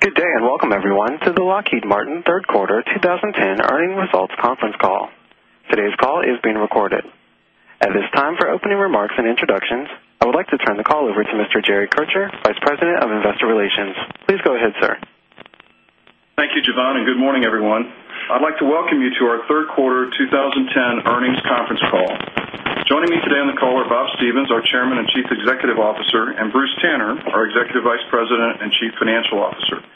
Good day, and welcome everyone to the Lockheed Martin Third Quarter 2010 Earnings Results Conference Call. Today's call is being recorded. At this time, for opening remarks and introductions, I would like to turn the call over to Mr. Jerry Kircher, Vice President of Investor Relations. Please go ahead, sir. Thank you, Jevon, and good morning, everyone. I'd like to welcome you to our Q3 2010 earnings conference call. Joining me today on the call Bob Stevens, our Chairman and Chief Executive Officer and Bruce Tanner, our Executive Vice President and Chief Financial Officer. I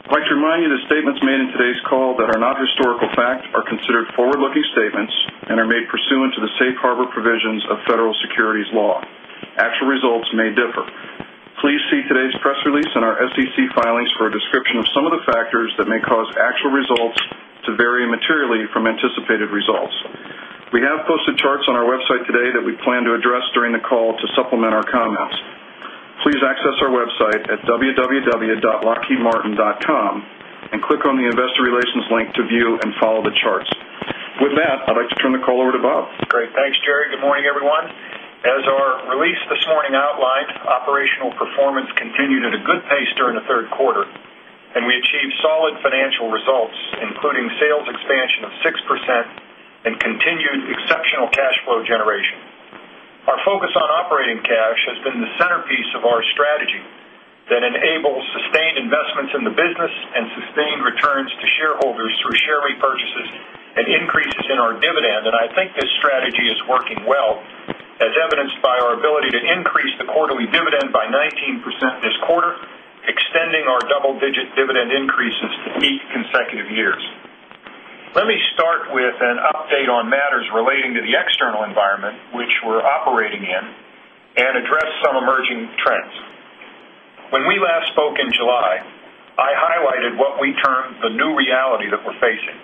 would like to remind you that statements made in today's call that are not historical facts are considered forward looking statements and are made pursuant to the Safe Harbor provisions of federal securities law. Actual results may differ. Please see today's press release and our SEC filings for a description of some of the factors that may cause actual results to vary materially from anticipated results. We have posted charts on our website today that we plan to address during the call to supplement our comments. Please access our website at www.lockheedmartin.com and click on the Investor Relations link to view and follow the 1st. With that, I'd like to turn the call over to Bob. Great. Thanks, Jerry. Good morning, everyone. As our release this morning outlined, operational performance segment. We continued at a good pace during the Q3 and we achieved solid financial results, including sales expansion of 6% and Continued Exceptional Cash Flow Generation. Our focus on operating cash has been the centerpiece of our strategy that enables sustained investments in the business and sustained returns to shareholders through share repurchases and increases in our dividend and I think this strategy is working well as evidenced by our ability to increase the quarterly dividend by 19% this quarter, extending our double digit dividend increases Consecutive years. Let me start with an update on matters relating to the external environment, which we are operating in and address some emerging trends. When we last spoke in July, I highlighted what we term the new reality that we're facing,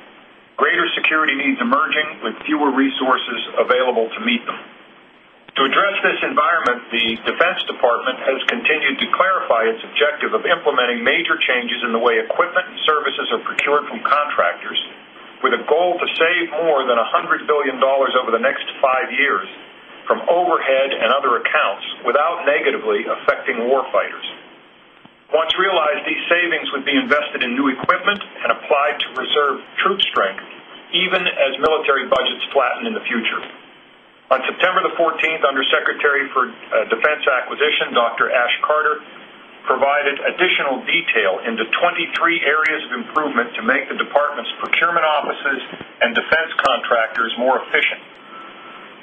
Greater security needs emerging with fewer resources available to meet them. To address this environment, the Defense Department has continued to clarify its objective of implementing major changes in the way equipment and services are procured from contractors with a goal to save more than $100,000,000,000 over the next 5 years from overhead and other accounts without negatively affecting warfighters. Once realized, these savings would be invested in new equipment and applied to reserve troop strength even as military budgets flatten in the future. On September 14, Under Secretary for Defense acquisition, Doctor. Ash Carter provided additional detail into 23 areas of improvement to make the department's procurement offices and defense Contractors More Efficient.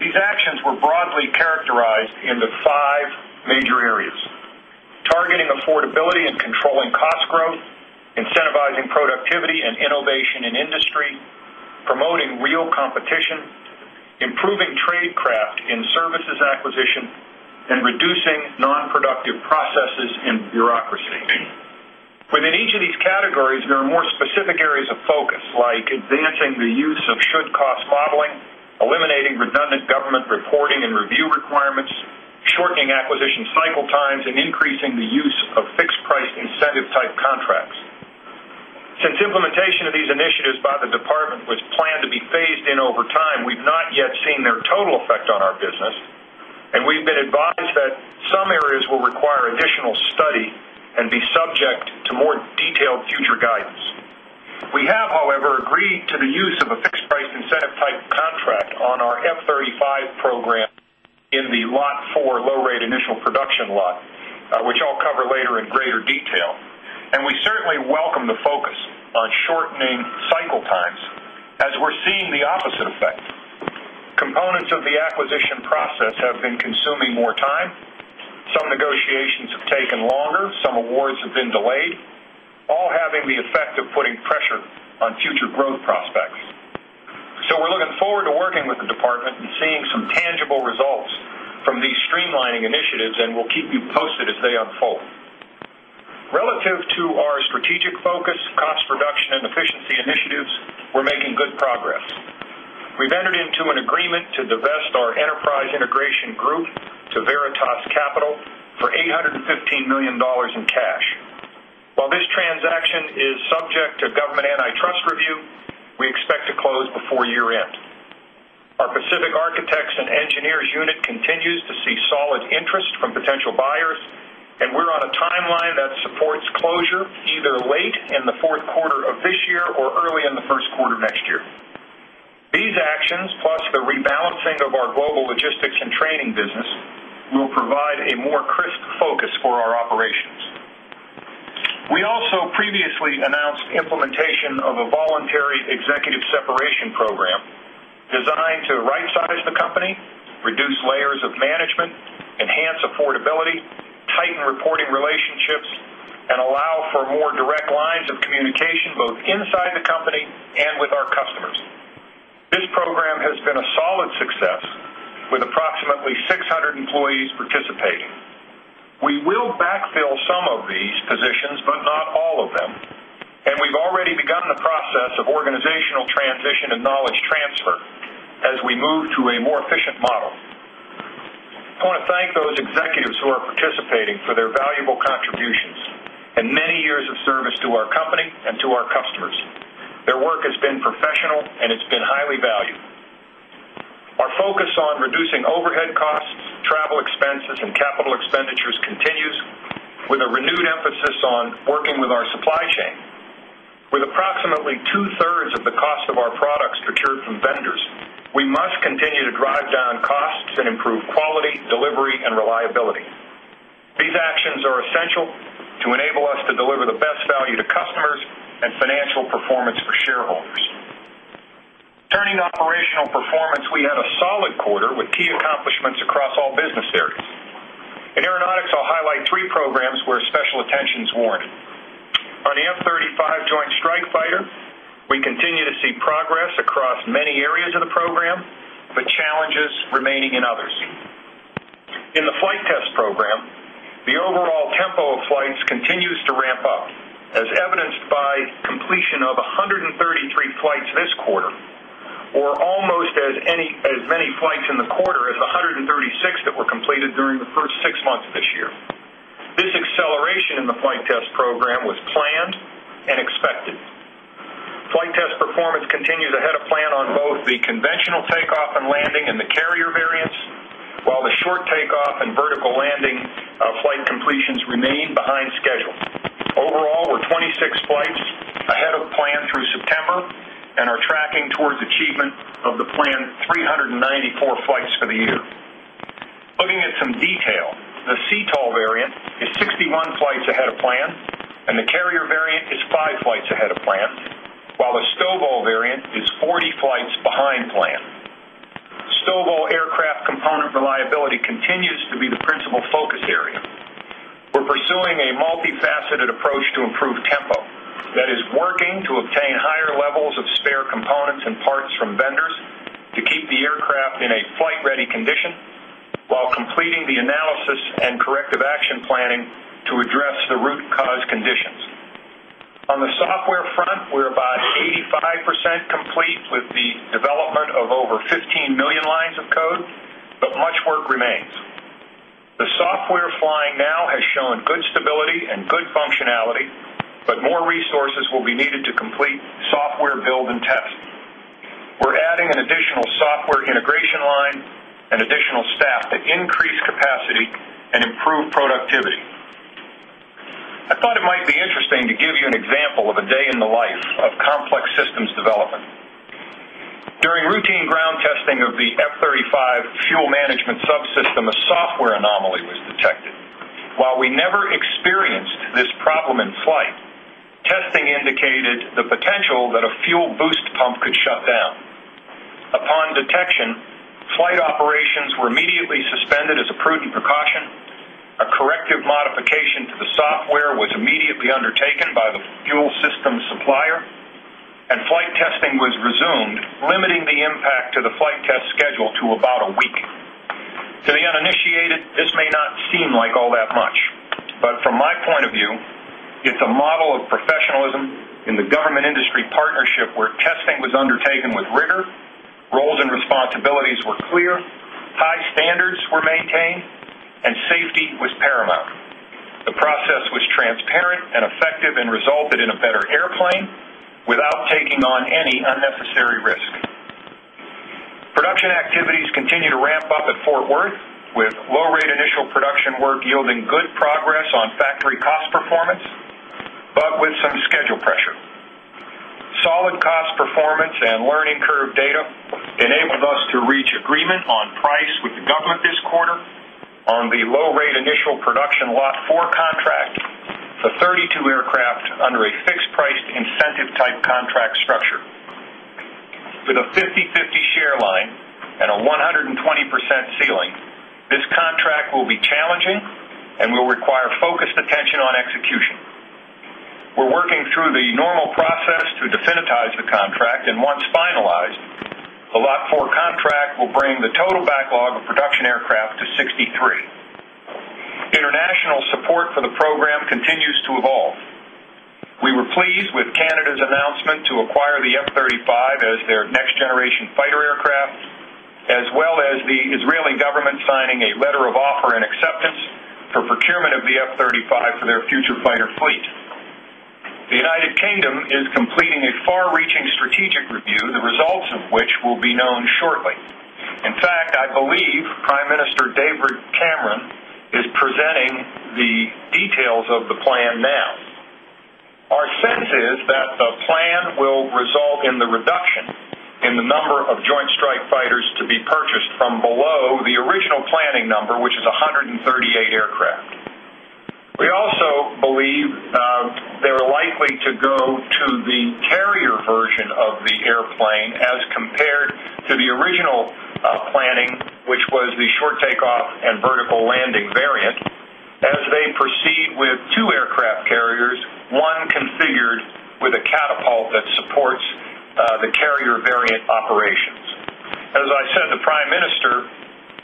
These actions were broadly characterized in the 5 major areas: targeting affordability and controlling cost growth, incentivizing productivity and innovation in industry, promoting real competition, improving tradecraft in services acquisition and reducing non productive processes in bureaucracy. Within each of these categories, there are more specific areas of focus like advancing the use of should cost modeling, eliminating redundant government reporting and review requirements, shortening acquisition cycle times and increasing the use of fixed price incentive type contracts. Since implementation of these initiatives by the department was planned to be phased in over time, we've not yet seen their total effect on our business and we've been advised that some areas will require additional study and be subject to more detailed future guidance. We have, however, agreed to the use of a fixed price incentive type contract on our F-thirty five program in the Lot 4 low rate initial production lot, which I'll cover later in greater detail. And we certainly welcome the focus on shortening cycle times as we are seeing the opposite effect. Components of the acquisition process have been consuming more time. Some negotiations have taken longer, some awards have been delayed, all having the effect of putting pressure on future growth prospects. So we're looking forward to working with the department and seeing some tangible results from these streamlining initiatives and we'll keep you posted as they unfold. Relative to our strategic focus, Cost Reduction and Efficiency Initiatives, we're making good progress. We've entered into an agreement to divest our Enterprise Integration Group to Veritas Capital for $815,000,000 in cash. While this transaction is subject to government antitrust review, we expect to close before year end. Our Pacific Architects and Engineers unit continues to see solid interest from potential buyers and we're on a timeline that supports closure either late in Q4 of this year or early in Q1 of next year. These actions plus the rebalancing of our global logistics and training business will provide a more crisp focus for our operations. We also previously announced implementation of a voluntary executive separation program designed to right size the company, reduce layers of management, enhance affordability, tighten reporting relationships and allow for more direct lines of Communication both inside the company and with our customers. This program has been a solid success with approximately 600 employees participating. We will backfill some of these positions, but not all of them, and we've already begun the process of organizational transition and knowledge transfer as we move to a more efficient model. I want to thank those executives who are participating for their valuable contributions and many years of service to our company and to our customers. Their work has been professional and it's been highly valued. Our focus on reducing overhead costs, travel expenses and capital expenditures continues with a renewed emphasis on working with our supply chain With approximately 2 thirds of the cost of our products procured from vendors, we must continue to drive down costs and improve quality, delivery and reliability. These actions are essential to enable us to deliver the best value to customers and Financial Performance for Shareholders. Turning to operational performance, we had a solid quarter with key accomplishments across all business areas. In Aeronautics, I'll highlight 3 programs where special attention is worn. On the M-thirty 5 Joint Strike Fighter, We continue to see progress across many areas of the program, but challenges remaining in others. In the flight test program, the overall tempo of flights continues to ramp up as evidenced by completion of 133 flights this quarter or almost as many flanks in the quarter as 136 that were completed during the 1st 6 months of this year. This acceleration in the flight test program was planned and expected. Flight test performance continues ahead of plan on both the conventional takeoff and landing and the carrier variance, while the short takeoff and vertical landing Our flight completions remain behind schedule. Overall, we're 26 flights ahead of plan through September and are tracking towards achievement of the planned 3 94 flights for the year. Looking at some detail, the CITOL variant is 61 flights ahead of plan And the carrier variant is 5 flights ahead of plan, while the Stovall variant is 40 flights behind plan. Stobo aircraft component reliability continues to be the principal focus area. We're pursuing a multifaceted approach to improve tempo that is working to obtain higher levels of spare components and parts from vendors to keep the aircraft in a flight ready condition, while completing the analysis and corrective action planning to address the root cause conditions. On the software front, we are about 85% complete with the development of over 15,000,000 lines of code, but much work remains. The software flying now has shown good stability and good functionality, but more resources will be needed to complete software build and test. We're adding an additional software integration line and additional staff to increase capacity and improve productivity. I thought it might be interesting to give you an example of a day in the life of Complex Systems Development. During routine ground testing of the F-thirty five fuel management subsystem, a software anomaly was detected. While we never experienced this problem in flight, testing indicated the potential that a fuel boost pump could shut down. Upon detection, flight operations were immediately suspended as a prudent precaution. A corrective modification to The software was immediately undertaken by the fuel systems supplier and flight testing was resumed limiting the impact to the flight test schedule to about a week. Call. To the uninitiated, this may not seem like all that much, but from my point of view, it's a model of professionalism in the government industry partnership where testing was undertaken with rigor, roles and responsibilities were clear, high Standards were maintained and safety was paramount. The process was transparent and effective and resulted in a better airplane without taking on any unnecessary risk. Production activities continue to ramp up at Fort Worth with low rate initial production work yielding good progress on factory cost performance, but with some schedule pressure. Solid cost performance and learning curve data enabled us to reach agreement on price with the government this quarter on the low rate initial production Lot 4 contract for 32 aircraft under a fixed priced incentive type contract structure. With a fifty-fifty share line and a 120% ceiling, this contract will be challenging and will require focused attention on execution. We're working through the normal process to definitize the contract and once finalized, The Lot 4 contract will bring the total backlog of production aircraft to 63. International support for the program continues to evolve. We were pleased with Canada's announcement to acquire the F-thirty 5 as their next generation fighter aircraft as well as the Israeli government signing a letter of offer and acceptance for procurement of the F-thirty 5 for their future fighter fleet. The United Kingdom is completing a far reaching strategic review, the results of which will be known shortly. In fact, I believe Prime Minister David Cameron is presenting the details of the plan now. Our sense is that the plan will result in the reduction in the number of joint strike fighters to be purchased from below the original planning number, which is 138 aircraft. We also believe They're likely to go to the carrier version of the airplane as compared to the original Planning, which was the short takeoff and vertical landing variant as they proceed with 2 aircraft carriers, 1 configured with a catapult that supports the carrier variant operations. As I said, the Prime Minister Call.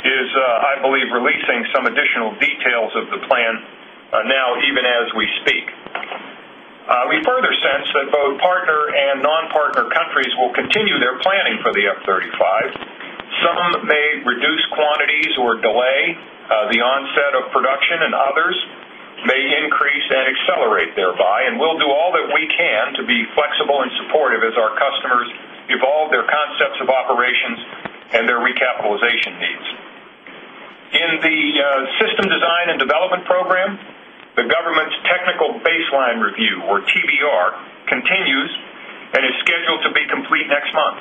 I believe releasing some additional details of the plan now even as we speak. We further sense that both partner and non partner countries will continue their planning for the F-thirty 5. Some may reduce quantities or delay The onset of production and others may increase and accelerate thereby and we'll do all that we can to be flexible and supportive as our customers to evolve their concepts of operations and their recapitalization needs. In the system design and development program, The government's Technical Baseline Review or TBR continues and is scheduled to be complete next month.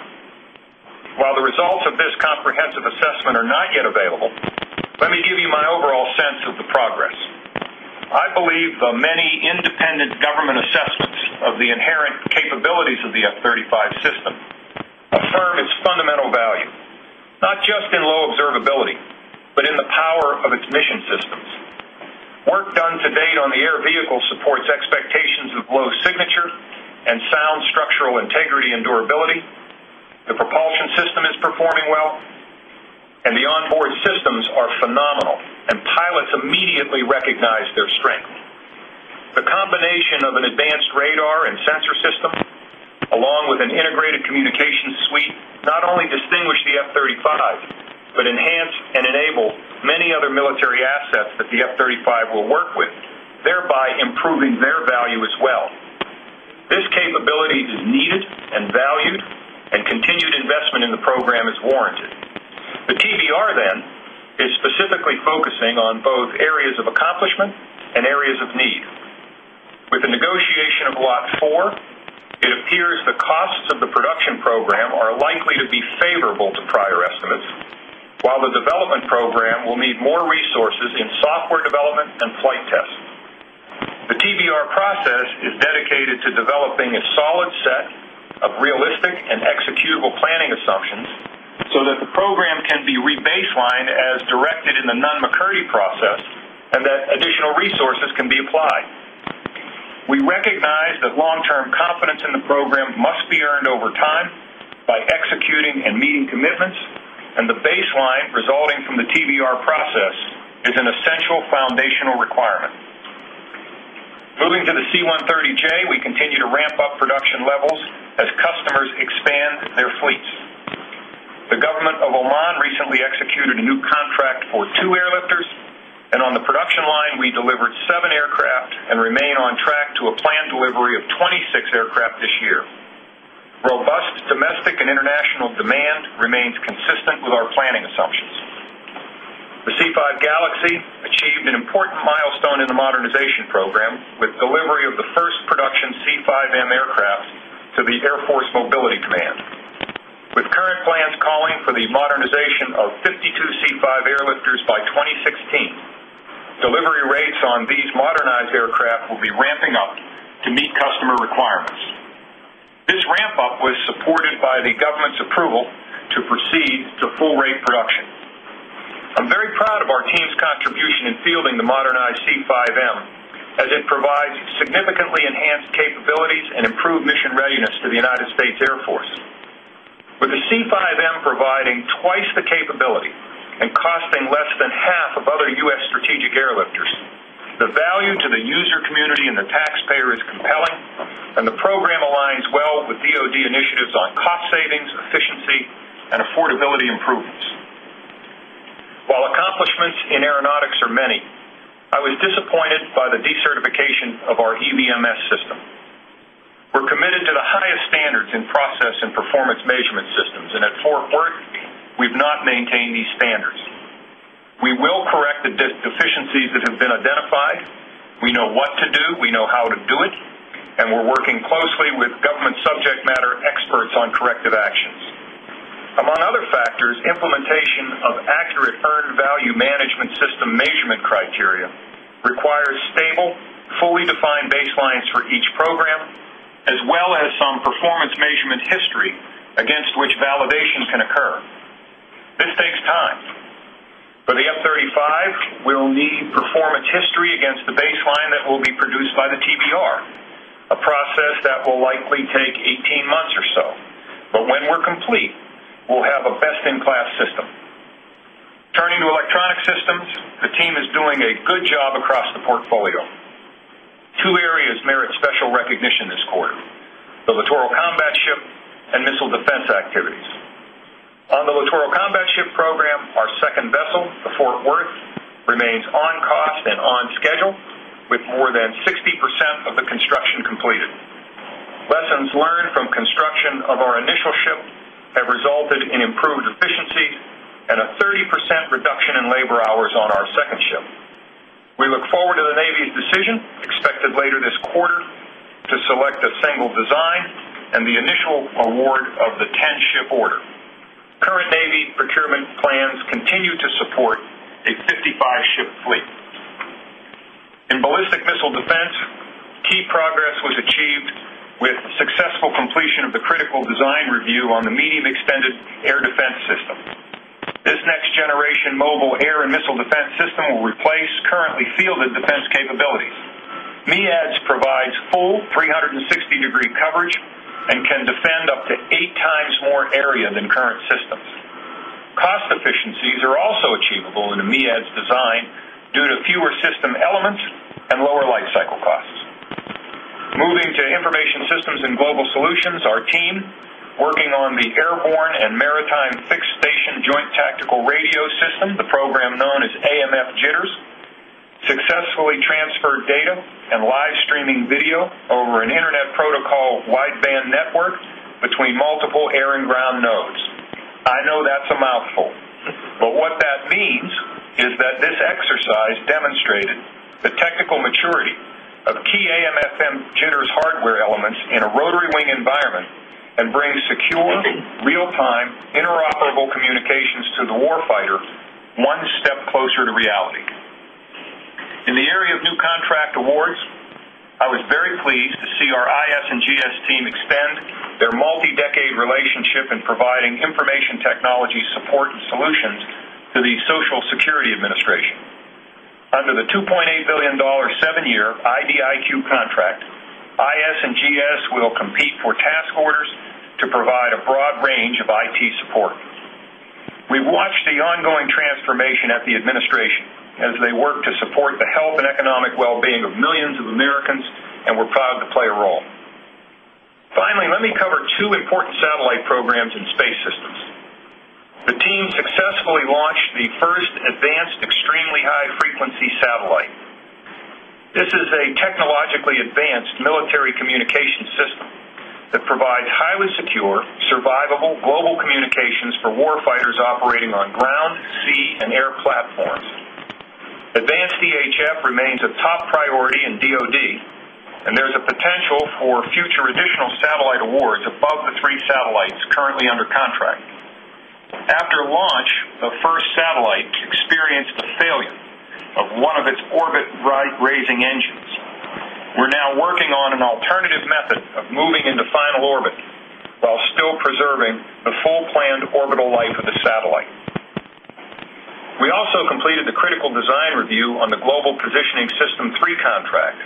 While the results of this comprehensive assessment are not yet available, let me give you my overall sense of the progress. I believe many independent government assessments of the inherent capabilities of the F-thirty five system affirm its fundamental value, not just in low observability, but in the power of its mission systems. Work done to date on the air vehicle supports expectations of Lowe's signature and sound structural integrity and durability. The propulsion system is performing well and the onboard systems are phenomenal and pilots immediately recognize their strength. The combination of an advanced radar and sensor system along with an integrated communications suite not only distinguish the F-thirty 5, enhance and enable many other military assets that the F-thirty 5 will work with, thereby improving their value as well. This capability is needed and valued and continued investment in the program is warranted. The TBR then is specifically focusing on both areas of accomplishment and areas of need. With the negotiation of GOT4, It appears the costs of the production program are likely to be favorable to prior estimates, while the development program will need more resources in software development and Flight Test. The TBR process is dedicated to developing a solid set of realistic and executable planning assumptions so that the program can be re baseline as directed in the non McCurdy process and that additional resources can be applied. We recognize that long term confidence in the program must be earned over time by executing and meeting commitments and the baseline resulting from the TBR process is an essential foundational requirement. Moving to the C-one hundred and thirty J, we continue to ramp up production levels as customers expand their fleets. The government of Oman recently executed a new contract for 2 airlifters and on the production line we delivered 7 aircraft and remain on track to a planned delivery of 26 aircraft this year. Robust domestic and international demand remains consistent with our planning assumptions. The C5 Galaxy achieved an important milestone in the modernization program with delivery of the first production C5M aircraft to the Air Force Mobility Command. With current plans calling for the modernization of 52 C5 airlifters by 2016, Delivery rates on these modernized aircraft will be ramping up to meet customer requirements. This ramp up was supported by the government's approval to proceed to full rate production. I'm very proud of our team's contribution in fielding the modern IC-five ms as it provides significantly enhanced capabilities and improved mission readiness to the United States Air Force. With the C5M providing twice the capability and costing less than half of other U. S. Strategic air lifters. The value to the user community and the taxpayer is compelling and the program aligns well with DoD initiatives on cost savings, efficiency and affordability improvements. While accomplishments in aeronautics are many, I was disappointed by the decertification of our EBMS system. We're committed to the highest standards in process and performance measurement systems and at Fort Worth, we've not maintained these standards. We will correct the deficiencies that have been identified. We know what to do. We know how to do it. And we're working closely with government subject matter experts on corrective actions. Among other factors, implementation of accurate earned value management system measurement criteria requires stable, fully defined baselines for each program as well as some performance measurement history against which validation can occur. This takes time. For the F-thirty five, we will need performance history against the baseline that will be produced by the TBR, process that will likely take 18 months or so, but when we're complete, we'll have a best in class system. Turning to Electronic Systems, the team is doing a good job across the portfolio. 2 areas merit special recognition this quarter, Littoral Combat Ship and Missile Defense Activities. On the Littoral Combat Ship program, our 2nd vessel, the Fort Worth, remains on cost and on schedule with more than 60% of the construction completed. Lessons learned from construction of our initial ship have resulted in improved efficiencies and a 30% reduction in labor hours on our 2nd ship. We look forward to the Navy's decision expected later this quarter to select a single design and the initial award of the 10 ship order. Current Navy procurement plans continue to support a 55 ship fleet. In Ballistic Missile Defense, Key progress was achieved with successful completion of the critical design review on the medium extended air defense system. This next generation mobile air and missile defense system will replace currently fielded defense capabilities. MEADS provides full 360 degree coverage and can defend up to 8 times more area than current systems. Cost efficiencies are also achievable in EMEA's design due to fewer system elements and lower life cycle costs. Moving to Information Systems and Global Solutions, our team working on the airborne and maritime fixed station joint tactical radio system, the program known as AMF jitters, Successfully transferred data and live streaming video over an Internet protocol wideband network between multiple air and ground nodes. I know that's a mouthful, but what that means is that this exercise demonstrated the technical maturity of key AMFM Jitters hardware elements in a rotary wing environment and bring secure real time interoperable communications to the warfighter 1 Step Closer TO Reality. In the area of new contract awards, I was very pleased to see our IS and GS team extend and their multi decade relationship in providing information technology support and solutions to the Social Security Administration. Under the $2,800,000,000 7 year IDIQ contract, IS and GS will compete for task orders to provide a broad range of IT support. We watched the ongoing transformation at the administration as they work to support the health well-being of millions of Americans and we're proud to play a role. Finally, let me cover 2 important satellite programs in space systems. The team successfully launched the 1st advanced extremely high frequency satellite. This is a technologically advanced military communication System that provides highly secure survivable global communications for war fighters operating on ground, sea and air platforms. Advanced DHF remains a top priority in DoD and there is a potential for future additional satellite awards above the 3 satellites currently under contract. After launch, the first satellite experienced the failure of 1 of its orbit ride raising engines. We are now working on an alternative method of moving into final orbit, while still preserving the full planned orbital life of the satellite. We also completed the critical design review on the Global Positioning System 3 contract.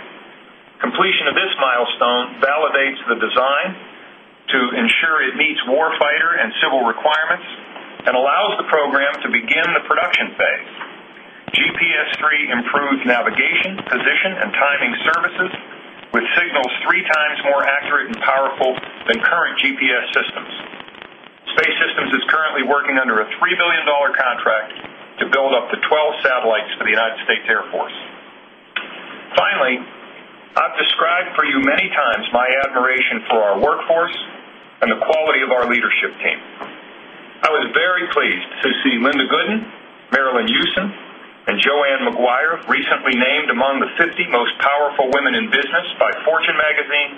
Completion of this milestone validates the design to ensure it meets warfighter and civil requirements and allows the program to begin the production phase. GPS III improved navigation, Position and Timing Services with signals 3 times more accurate and powerful than current GPS systems. Space Systems is currently working under a $3,000,000,000 contract to build up to 12 satellites for the United States Air Force. Finally, I've described for you many times my admiration for our workforce and the quality of our leadership team. I was very pleased to see Linda Gooden, Marilyn Houston and Joanne Maguire recently named among the 50 Most Powerful Women in Conference by Fortune Magazine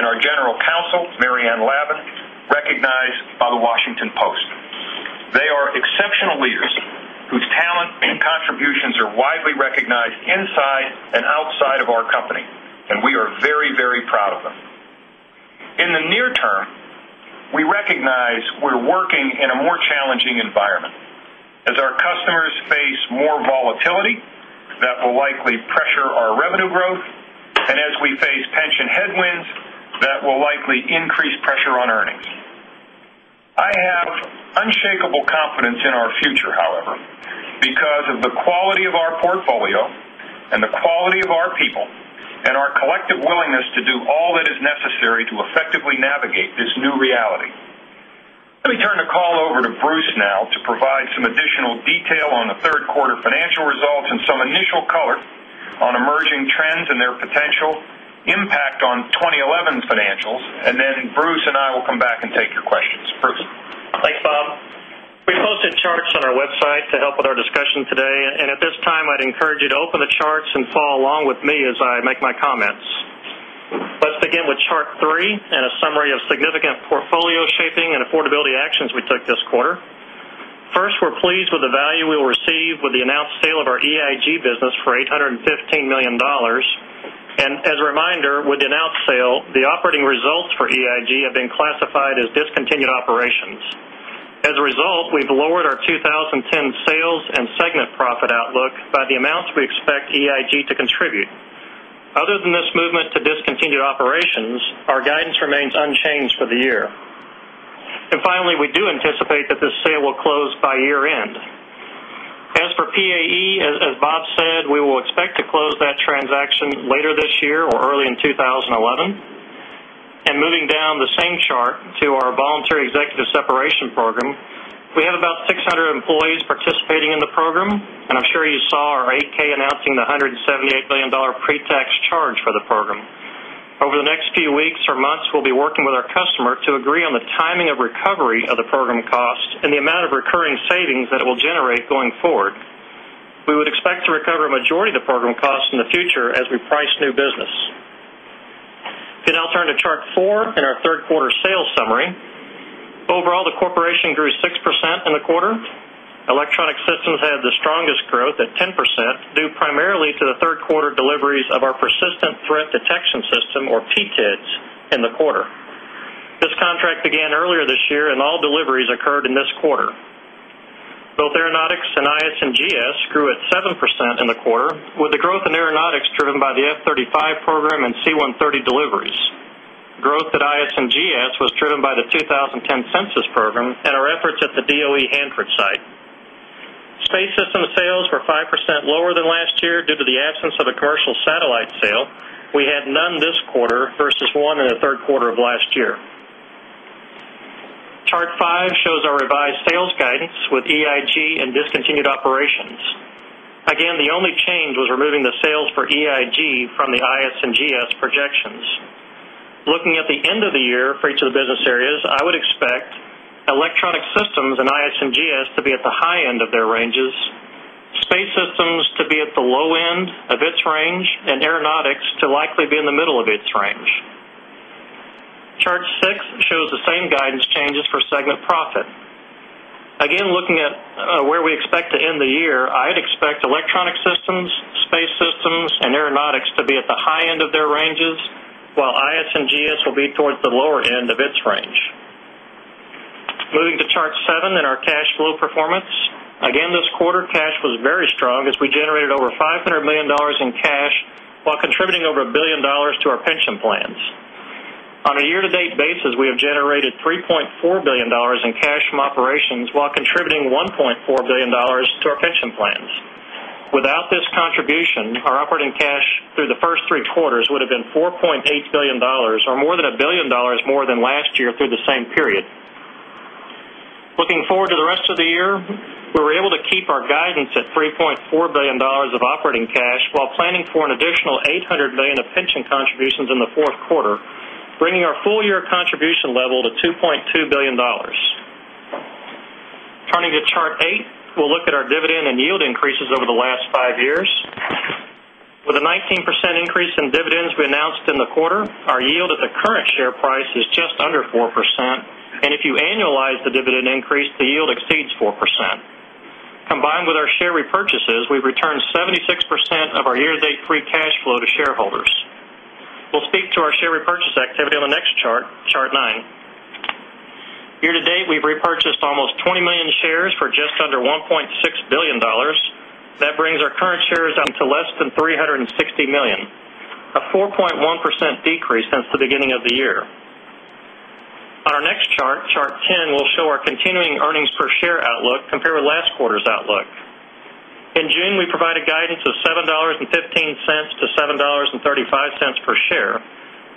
and our General Counsel, Mary Anne Lavin, recognized by the Washington Post. They are exceptional leaders whose talent and contributions are widely recognized inside and outside of our company and we are very, very proud of them. In the near term, we recognize we are working in a more challenging environment as our customers face more volatility that will likely pressure our revenue growth and as we face pension headwinds that will likely increase pressure on earnings. I have unshakable confidence in our future, however, because of the quality of our portfolio and the quality of our people and our collective willingness to do all that is necessary to effectively navigate this new reality. Let me turn the call over to Bruce now to provide some additional detail sale on the Q3 financial results and some initial color on emerging trends and their potential impact on 2011 financials And then Bruce and I will come back and take your questions. Bruce? Thanks, Bob. We posted charts on our website to help with our discussion today. And at this time, I'd encourage you to open the charts and follow along with me as I make my comments. Let's begin with Chart 3 and a summary of Significant portfolio shaping and affordability actions we took this quarter. First, we're pleased with the value we will receive with the announced sale of our EIG business for $815,000,000 And as a reminder, with the announced sale, the operating results for site as discontinued operations. As a result, we've lowered our 20 10 sales and segment profit outlook by the amounts we expect EIG to contribute. Other than this movement to discontinued operations, our guidance remains unchanged for the year. And finally, we do anticipate that this sale will close by year end. As for PAE, as Bob said, we will expect to close that transaction later this year or early in 2011. And moving down the same chart to our voluntary executive separation program, we have about 600 employees participating in the program And I'm sure you saw our 8 ks announcing the $178,000,000 pre tax charge for the program. Over the next few weeks or months, We'll be working with our customer to agree on the timing of recovery of the program costs and the amount of recurring savings that it will generate going forward. We would expect to recover majority of the program costs in the future as we price new business. If you now turn to Chart 4 and our 3rd quarter sales summary, Overall, the corporation grew 6% in the quarter. Electronic Systems had the strongest growth at 10% due primarily to the 3rd quarter deliveries of our and Threat Detection System or PTIDS in the quarter. This contract began earlier this year and all deliveries occurred in this quarter. Both aeronautics and IS and GS grew at 7% in the quarter with the growth in aeronautics driven by the F-thirty 5 program and C-one hundred and thirty deliveries. Growth at IS and GS was driven by the 2010 Census Program and our efforts at the DOE Hanford site. Space system sales were 5% lower than last year due to the absence of a commercial satellite sale. We had none this quarter versus 1 in Q3 of last year. And the only change was removing the sales for EIG from the IS and GS projections. Looking at the end of the year for each of the business areas, I would expect Electronic Systems and IH and GS to be at the high end of their ranges, Space Systems to be at the low end of its range and Aeronautics to likely be in the middle of its range. Chart 6 shows the same guidance changes for segment profit. Again, looking at where we expect to end the year, I'd expect electronic systems, space systems and aeronautics to be at the high end of their ranges, while IS and GS will be towards the lower end of its range. Moving to chart 7 and our cash flow performance. Again, this quarter cash was very strong as we generated over $500,000,000 in cash, while contributing over $1,000,000,000 to Pension Plans. On a year to date basis, we have generated $3,400,000,000 in cash from operations while contributing $1,400,000,000 to our pension plans. Without this contribution, our operating cash through the 1st 3 quarters would have been $4,800,000,000 or more than $1,000,000,000 more than last year through the same period. Looking forward to the rest of the year, we were able to keep our guidance at $3,400,000,000 of operating cash, while planning for an additional 800,000,000 Pension contributions in the 4th quarter, bringing our full year contribution level to $2,200,000,000 Turning to Chart 8, we will look at our dividend and yield increases over the last 5 years. With a 19% increase in dividends we announced in the quarter, Our yield at the current share price is just under 4% and if you annualize the dividend increase, the yield exceeds 4%. Combined with our share repurchases, we have returned 76% of our year to date free cash flow to shareholders. We'll speak to our share repurchase activity on the next chart, Chart 9. Year to date, we've repurchased almost 20,000,000 shares for just under $1,600,000,000 that brings our current shares to less than 360,000,000, a 4.1% decrease since the beginning of the year. On our next chart, Chart 10, we'll show our continuing earnings per share outlook compared with last quarter's outlook. In June, we provided guidance of $7.15 to $7.35 per share.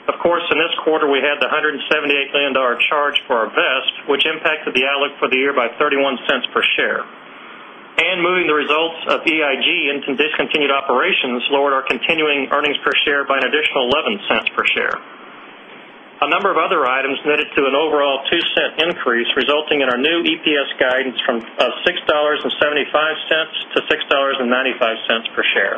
Of course, in this quarter, we had the $178,000,000 charge for our vest, which impacted the outlook for the year by $0.31 per share. And moving the results of EIG into discontinued operations lowered our continuing earnings per share by an additional $0.11 per share. A number of other items netted to an overall guidance from $6.75 to $6.95 per share.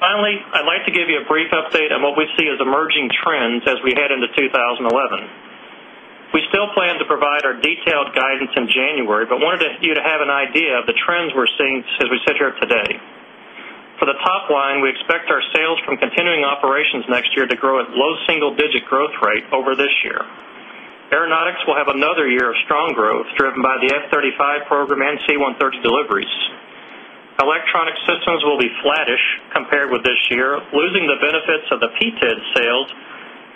Finally, I'd like to give you a brief update on what we see as emerging trends as we head into 2011. We still plan to provide our detailed guidance in January, but wanted you to have an idea of the trends we're seeing as we sit here today. For the top line, we expect segment. We expect our sales from continuing operations next year to grow at low single digit growth rate over this year. Aeronautics will have another year of strong growth driven by the F-thirty 5 program and C-one hundred and thirty deliveries. Electronic systems will be flattish compared with this year, losing the benefits of the PTED sales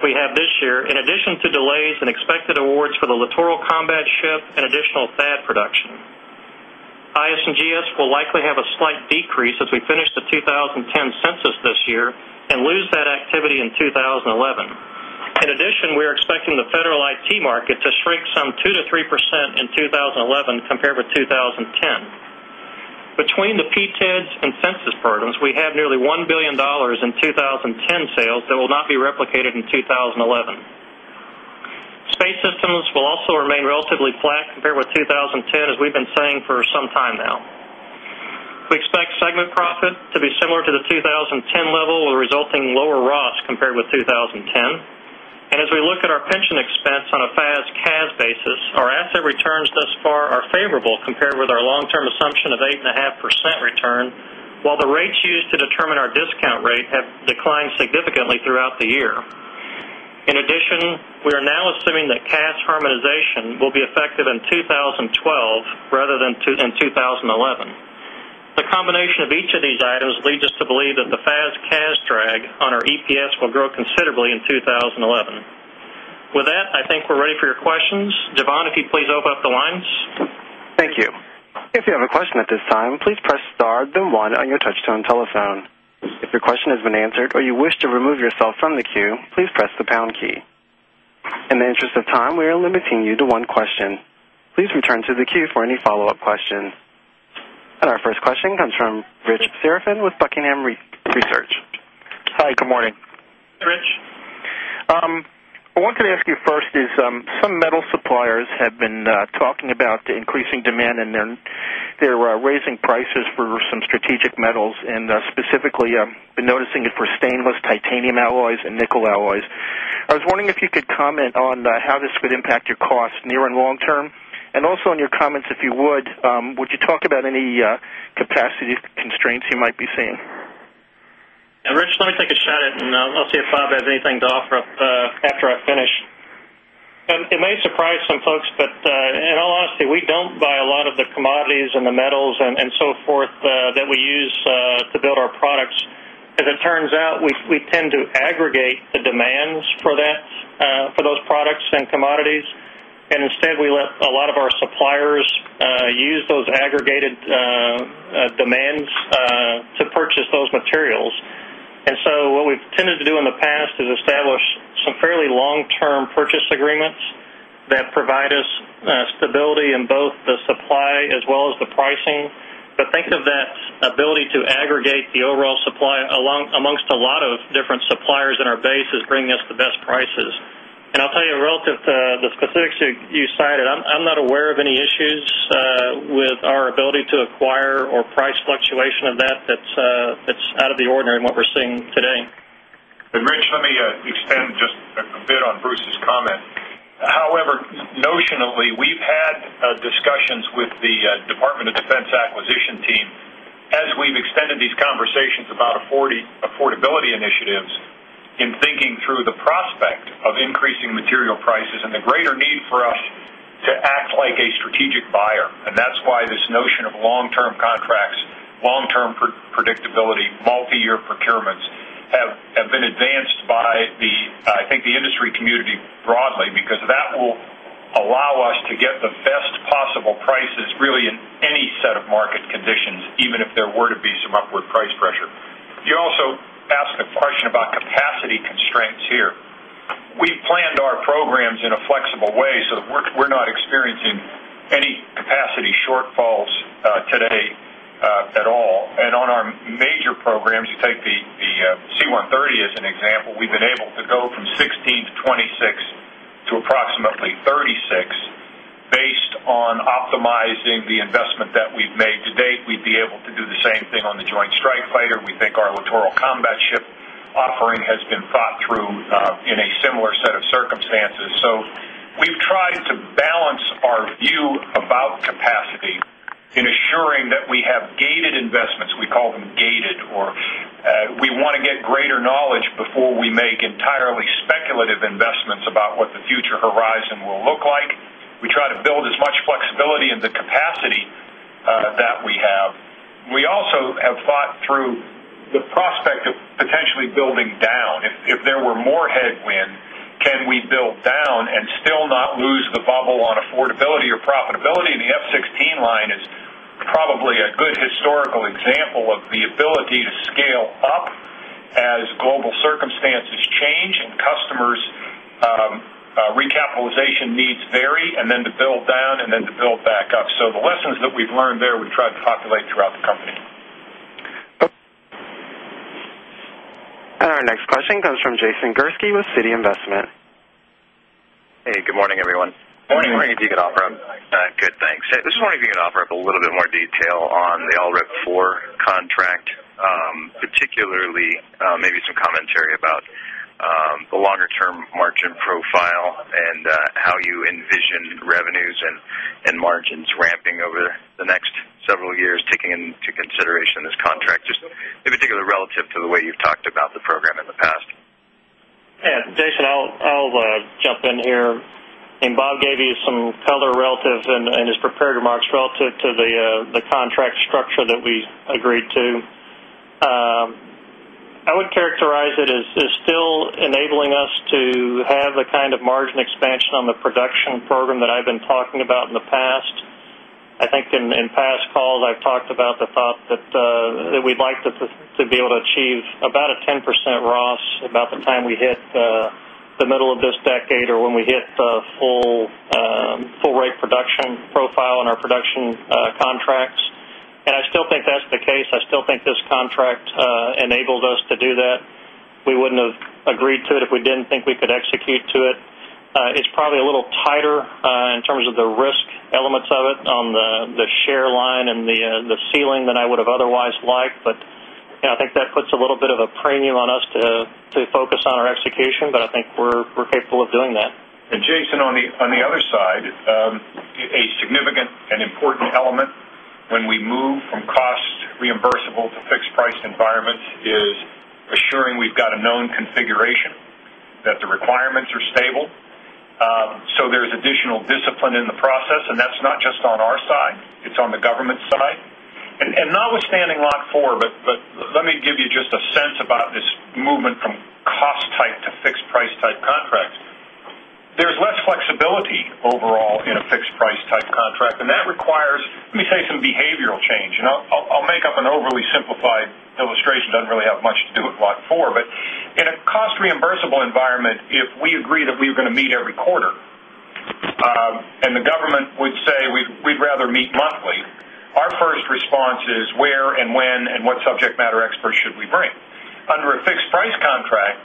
we have this year in addition to delays and expected awards for the Littoral Combat Ship and additional THAAD production. IS and GS will likely have a slight decrease as we finish the 2010 Census this year and lose that activity in 2011. In addition, we are expecting the federal IT market to shrink some 2% to 3% in 2011 compared with 2010. Between the PTEDS and census burdens, we have nearly $1,000,000,000 in 20.10 sales that will not be replicated in 2011. Space Systems will also remain relatively flat compared with 2010 as we've been saying for some time now. We expect segment profit to be similar to the 2010 level of resulting lower RAS compared with 2010. And as we look at our pension expense on a fast As basis, our asset returns thus far are favorable compared with our long term assumption of 8.5% return, while the rates used to determine our discount rate have declined significantly throughout the year. In addition, we are now assuming that cash harmonization will be effective in 2012 rather than 2011. The combination of each of these items leads us to believe that the FAS CAS drag on our EPS will grow considerably in 2011. With that, I think we're ready for your questions. Devon, if you please open up the lines. Thank Please return to the queue for any follow-up questions. And our first question comes from Rich Sarafin with Buckingham Research. Hi, good morning. Rich, I wanted to ask you first is some metal suppliers have been talking about increasing demand and then They're raising prices for some strategic metals and specifically been noticing it for stainless titanium alloys and nickel alloys. I was wondering if you could comment on how this would impact your costs near and long term? And also on your comments, if you would, would you talk about any capacity constraints you might be seeing. Yes, Rich, let me take a shot at it and I'll see if Bob has anything to offer after I finish. It may surprise some folks, but in all honesty, we don't buy a lot of the commodities and the metals and so forth that we use to build our products. As it turns out, we tend to aggregate the demands for that for those products and commodities and instead we let a lot of our suppliers I used those aggregated demands to purchase those materials. And so what we've tended to do in the past is establish Some fairly long term purchase agreements that provide us stability in both the supply as well as the pricing, So think of that ability to aggregate the overall supply amongst a lot of different suppliers in our base is bringing us the best prices. And I'll tell you relative to the specifics you cited, I'm not aware of any issues with our ability to acquire or price fluctuation of that that's out of the ordinary and what we're seeing today. And Rich, let me extend just a bit on Bruce's comment. However, notionally, we've had discussions with the Department of Defense Acquisition team. As we've extended these conversations about affordability initiatives and thinking through the prospect of increasing material prices and the greater need for us to act like a strategic buyer And that's why this notion of long term contracts, long term predictability, multiyear procurements have been advanced by the, I think the industry community broadly because that will allow us to get the best possible prices really in Any set of market conditions even if there were to be some upward price pressure. You also asked a question about capacity constraints here. We planned our programs in a flexible way, so that we're not experiencing any capacity shortfalls today et al. And on our major programs, you take the C-one hundred and thirty as an example, we've been able to go from 16 to 26 to approximately 36 based on optimizing the investment that we've made to date. We'd be able Do the same thing on the Joint Strike Fighter. We think our Littoral Combat Ship offering has been thought through in a similar set of circumstances. So, We've tried to balance our view about capacity in assuring that we have gated investments, we call them gated or We want to get greater knowledge before we make entirely speculative investments about what the future horizon will look like. We try to build as much flexibility in the capacity that we have. We also have thought through The prospect of potentially building down, if there were more headwinds, can we build down and still not lose the bubble on affordability or profitability? The 2016 line is probably a good historical example of the ability to scale up as global circumstances change and customers' Recapitalization needs vary and then to build down and then to build back up. So the lessons that we've learned there, we tried to populate throughout the company. And our next question comes from Jason Gerske with Citi Investment. Hey, good morning, everyone. Good morning, if you could offer up. Good, thanks. I just wanted to give you an offer up a little bit more detail on the LRIP IV contract, particularly Maybe some commentary about the longer term margin profile and how you envision revenues and Margins Ramping Over the Next Several Years Taking Into Consideration This Contract, Just in particular relative to the way you've talked about the program in the past. Jason, I'll jump in here. Bob gave you some color relative in his prepared remarks to the contract structure that we agreed to. I would characterize it as still enabling us to have the kind of margin expansion on the production program that I've been talking about in the past. I think in past calls, I've talked about the thought that we'd like to be able to achieve about a 10% RAS about the time we hit The middle of this decade or when we hit the full rate production profile on our production contracts. And I still think that's the case. I still think this contract enabled us to do that. We wouldn't have agreed to it if we didn't think we could execute to it. It's probably a little tighter in terms of the risk elements of it on the share line and the ceiling than I would have otherwise liked. But I think that puts a little bit of a premium on us to focus on our execution, but I think we're capable of doing that. And Jason, on the other side, a significant and important element When we move from cost reimbursable to fixed price environment is assuring we've got a known configuration that the requirements are stable. So there is additional discipline in the process and that's not just on our side, it's on the government side. And notwithstanding Lot 4, but Let me give you just a sense about this movement from cost type to fixed price type contracts. There is less flexibility overall in a fixed price type contract and that requires, let me say, some behavioral change. I'll make up an overly simplified illustration doesn't really have much to do with Block 4, but in a cost reimbursable environment, if we agree that we are going to meet every quarter And the government would say we'd rather meet monthly. Our first response is where and when and what subject matter experts should we bring. Under a fixed price contract,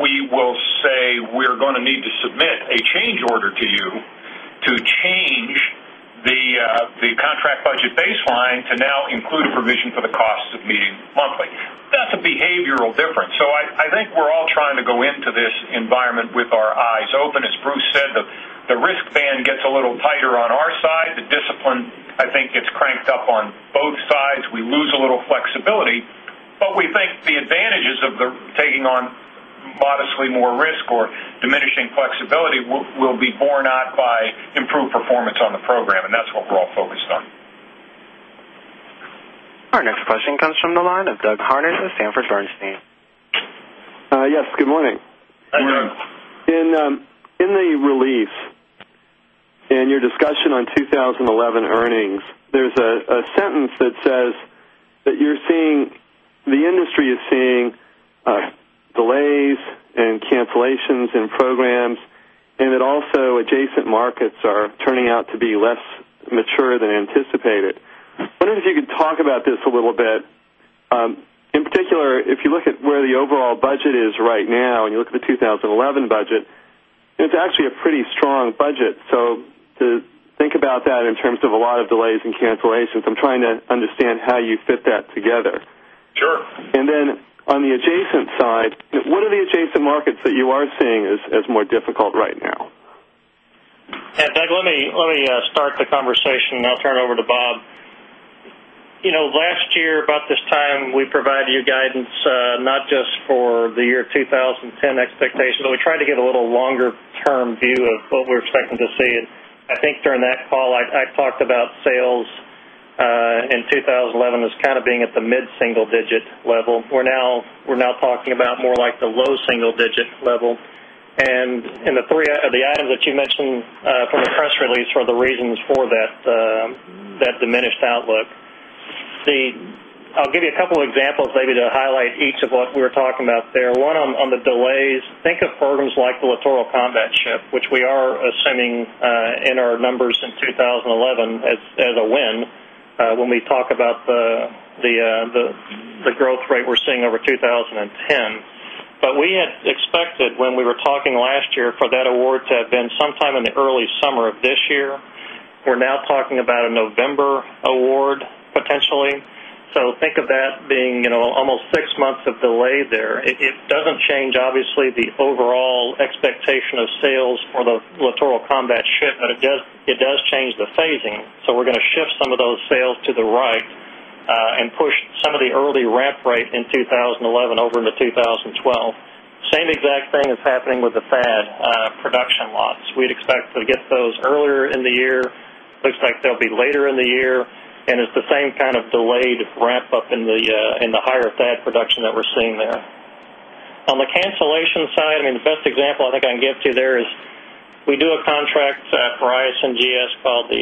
we will say we are going to need to submit a change order to you to change The contract budget baseline to now include a provision for the cost of meeting monthly, that's a behavioral difference. So I I think we're all trying to go into this environment with our eyes open. As Bruce said, the risk band gets a little tighter on our side. The discipline, I think, gets cranked up on Both sides, we lose a little flexibility, but we think the advantages of taking on modestly more risk or Diminishing flexibility will be borne out by improved performance on the program and that's what we're all focused on. Our next question comes from the line of Doug Harned with Sanford Bernstein. Yes, good morning. In the release and your discussion on 2011 earnings, there's a sentence that says that you're seeing the industry is seeing delays and cancellations in programs And then also adjacent markets are turning out to be less mature than anticipated. Wondering if you could talk about this a little bit. In particular, if you look at where the overall budget is right now and you look at the 2011 budget, it's actually a pretty strong budget. So To think about that in terms of a lot of delays and cancellations, I'm trying to understand how you fit that together. Sure. And then On the adjacent side, what are the adjacent markets that you are seeing as more difficult right now? Yes, Doug, let me start the conversation and I'll turn it over to call. Last year, about this time, we provided you guidance not just for the year 2010 expectations, but we tried to get a little longer term view of what we're expecting to see. I think during that call, I talked about sales in 2011 as kind of being at the mid single digit level. We're now talking about more like the low single digit level. And in the 3 of the items that you mentioned from the press release for the reasons for that diminished outlook. I'll give you a couple of examples maybe to highlight each of what we're talking about there. 1 on the delays, think of programs like the Littoral Combat Ship, which we are assuming in our numbers in 2011 as a win when we talk about the growth rate we're seeing over 2010. But we had expected when we were talking last Tier for that award to have been sometime in the early summer of this year. We're now talking about a November award potentially. So think of that being almost 6 months of delay there. It doesn't change obviously the overall expectation of sales for the Littoral Combat Ship, but it does change the phasing. So we're going to shift some of those sales to the right and push some of the early ramp freight in 2011 over into 2012. Same exact thing is happening with the FAD production lots. We'd expect to get those earlier in the year. Looks like they'll be later in the year and it's the same kind of delayed ramp up in the higher THAAD production that we're seeing there. On the cancellation side, I mean, the best example I think I can give to there is, we do a contract for IS and GS called the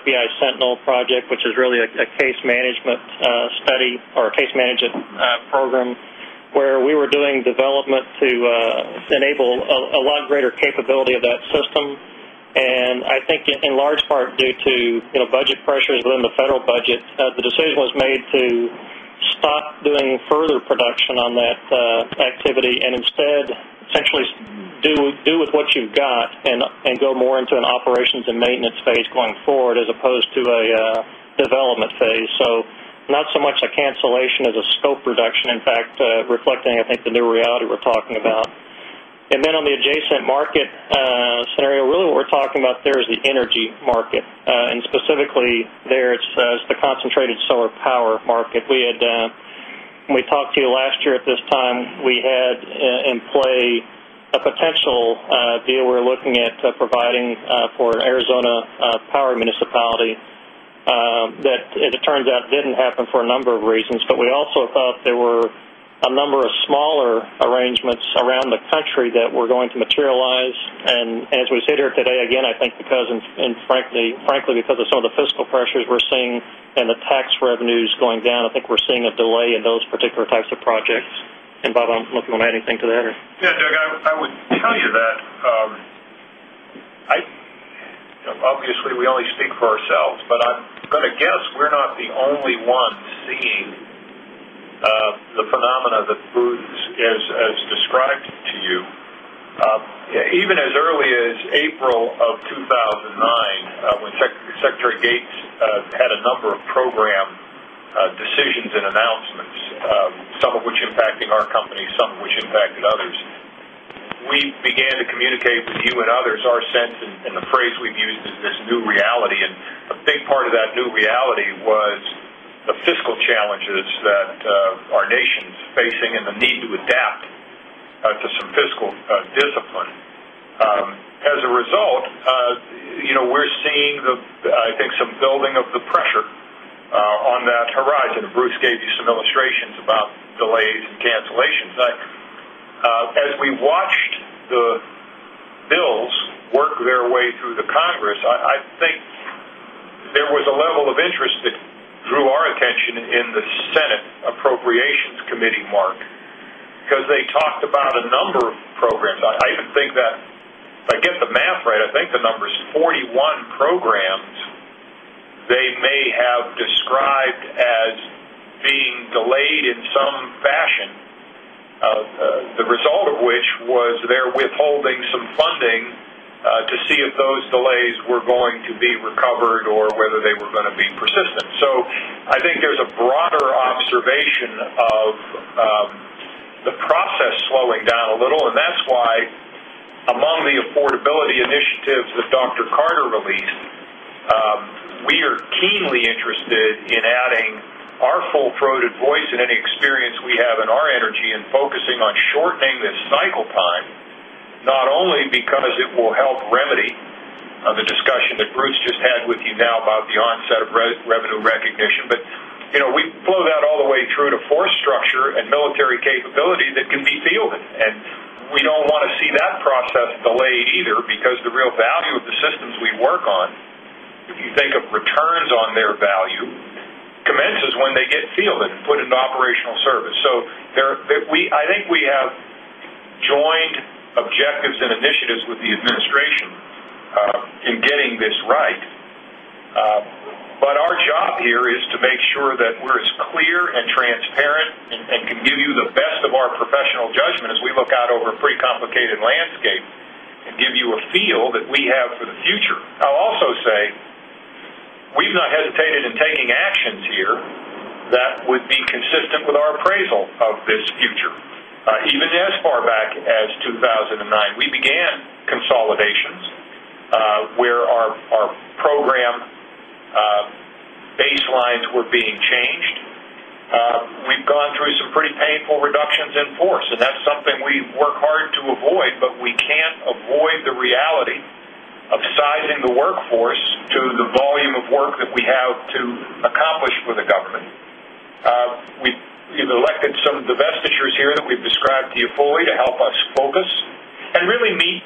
FBI Sentinel project, which is really Case Management Study or Case Management Program, where we were doing development to enable a lot greater capability of that system. And I think in large part due to budget pressures within the federal budget, the decision was made to Stop doing further production on that activity and instead essentially do with what you've got and go more into an operations and maintenance phase going forward as opposed to a development phase. So not so much a cancellation as a scope reduction, in fact, reflecting I think the new reality we're talking about. And then on the adjacent market scenario, really what we're talking about there is the energy market. And specifically, there So, as the concentrated solar power market, we had when we talked to you last year at this time, we had in play a potential deal we're looking at providing for an Arizona power municipality that It turns out didn't happen for a number of reasons, but we also thought there were a number of smaller arrangements around the country that were going to materialize. And as we sit here today, again, I think because and frankly, because of some of the fiscal pressures we're seeing and the tax revenues going down, I think We're seeing a delay in those particular types of projects. And Bob, I'm looking to add anything to that here. Yes, Doug, I would tell you that Obviously, we only speak for ourselves, but I'm going to guess we're not the only one seeing The phenomena that moves as described to you, even as early as April of Service, some of which impacting our company, some of which impacted others. We began to communicate with you and others our sense and the phrase we've used This new reality and a big part of that new reality was the fiscal challenges that our nation is facing and the need to adapt To some fiscal discipline. As a result, we are seeing I think some building of the pressure On the horizon, Bruce gave you some illustrations about delays and cancellations. As we watched the Bills work their way through the Congress. I think there was a level of interest that drew our attention in the Senate Appropriations Committee, Mark, because they talked about a number of programs. I even think that if I get the math right, I think the numbers 41 programs they may have described as being delayed in some fashion. The result of which was they are withholding some funding to see if those delays were going to be recovered or whether they were going to be persistent. So I think there's a broader observation of the process slowing down a little and that's why Among the affordability initiatives that Doctor. Carter released, we are keenly interested in adding Our full throated voice and any experience we have in our energy and focusing on shortening this cycle time, not only because it will help remedy on the discussion that Bruce just had with you now about the onset of revenue recognition, but we flow that all the way through to force structure and military capability that can be fielded. And we don't want to see that process delayed either because the real value of the systems we work on, If you think of returns on their value, commences when they get fielded and put into operational service. So there I think we have joined objectives and initiatives with the administration in getting this right. But our job here is to make Sure that we are as clear and transparent and can give you the best of our professional judgment as we look out over a pretty complicated landscape and give you a feel that we have for the future. I'll also say we've not hesitated in taking actions here that would be consistent with our appraisal of this future. Even as far back as 2,009, we began consolidations where our program baselines were being changed. We've gone through some pretty painful reductions in Force and that's something we work hard to avoid, but we can't avoid the reality of sizing the workforce to the volume of work that we have to accomplish with the government. We've elected some divestitures here that we've described to you fully to help us focus And really meet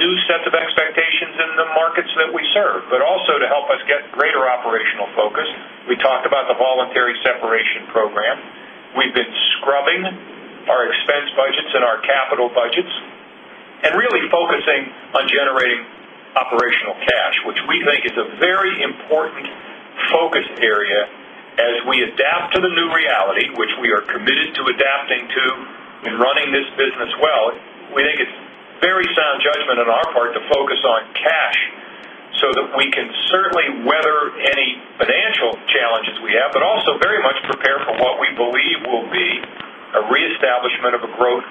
new sets of expectations in the markets that we serve, but also to help us get greater operational focus. We talked about the voluntary separation program. We've been scrubbing our expense budgets and our capital budgets and really focusing on generating operational cash, which we think is a very important focus area As we adapt to the new reality, which we are committed to adapting to in running this business well, we think it's Very sound judgment on our part to focus on cash, so that we can certainly weather any financial challenges We have been also very much prepared for what we believe will be a reestablishment of a growth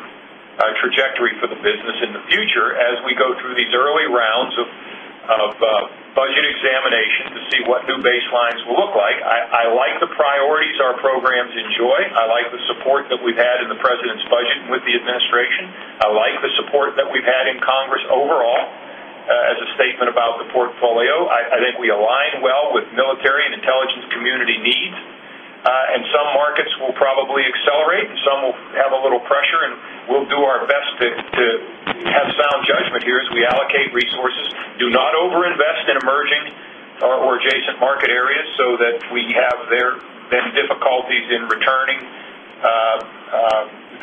trajectory for the business in the future as we go through these early rounds of budget examination to see what new baselines will look like. I like the priorities our programs Enjoy. I like the support that we've had in the President's budget with the administration. I like the support that we've had in Congress overall As a statement about the portfolio, I think we align well with military and intelligence community needs and some markets will probably accelerate and some will We have a little pressure and we will do our best to have sound judgment here as we allocate resources. Do not over invest in emerging or adjacent market areas so that we have there been difficulties in returning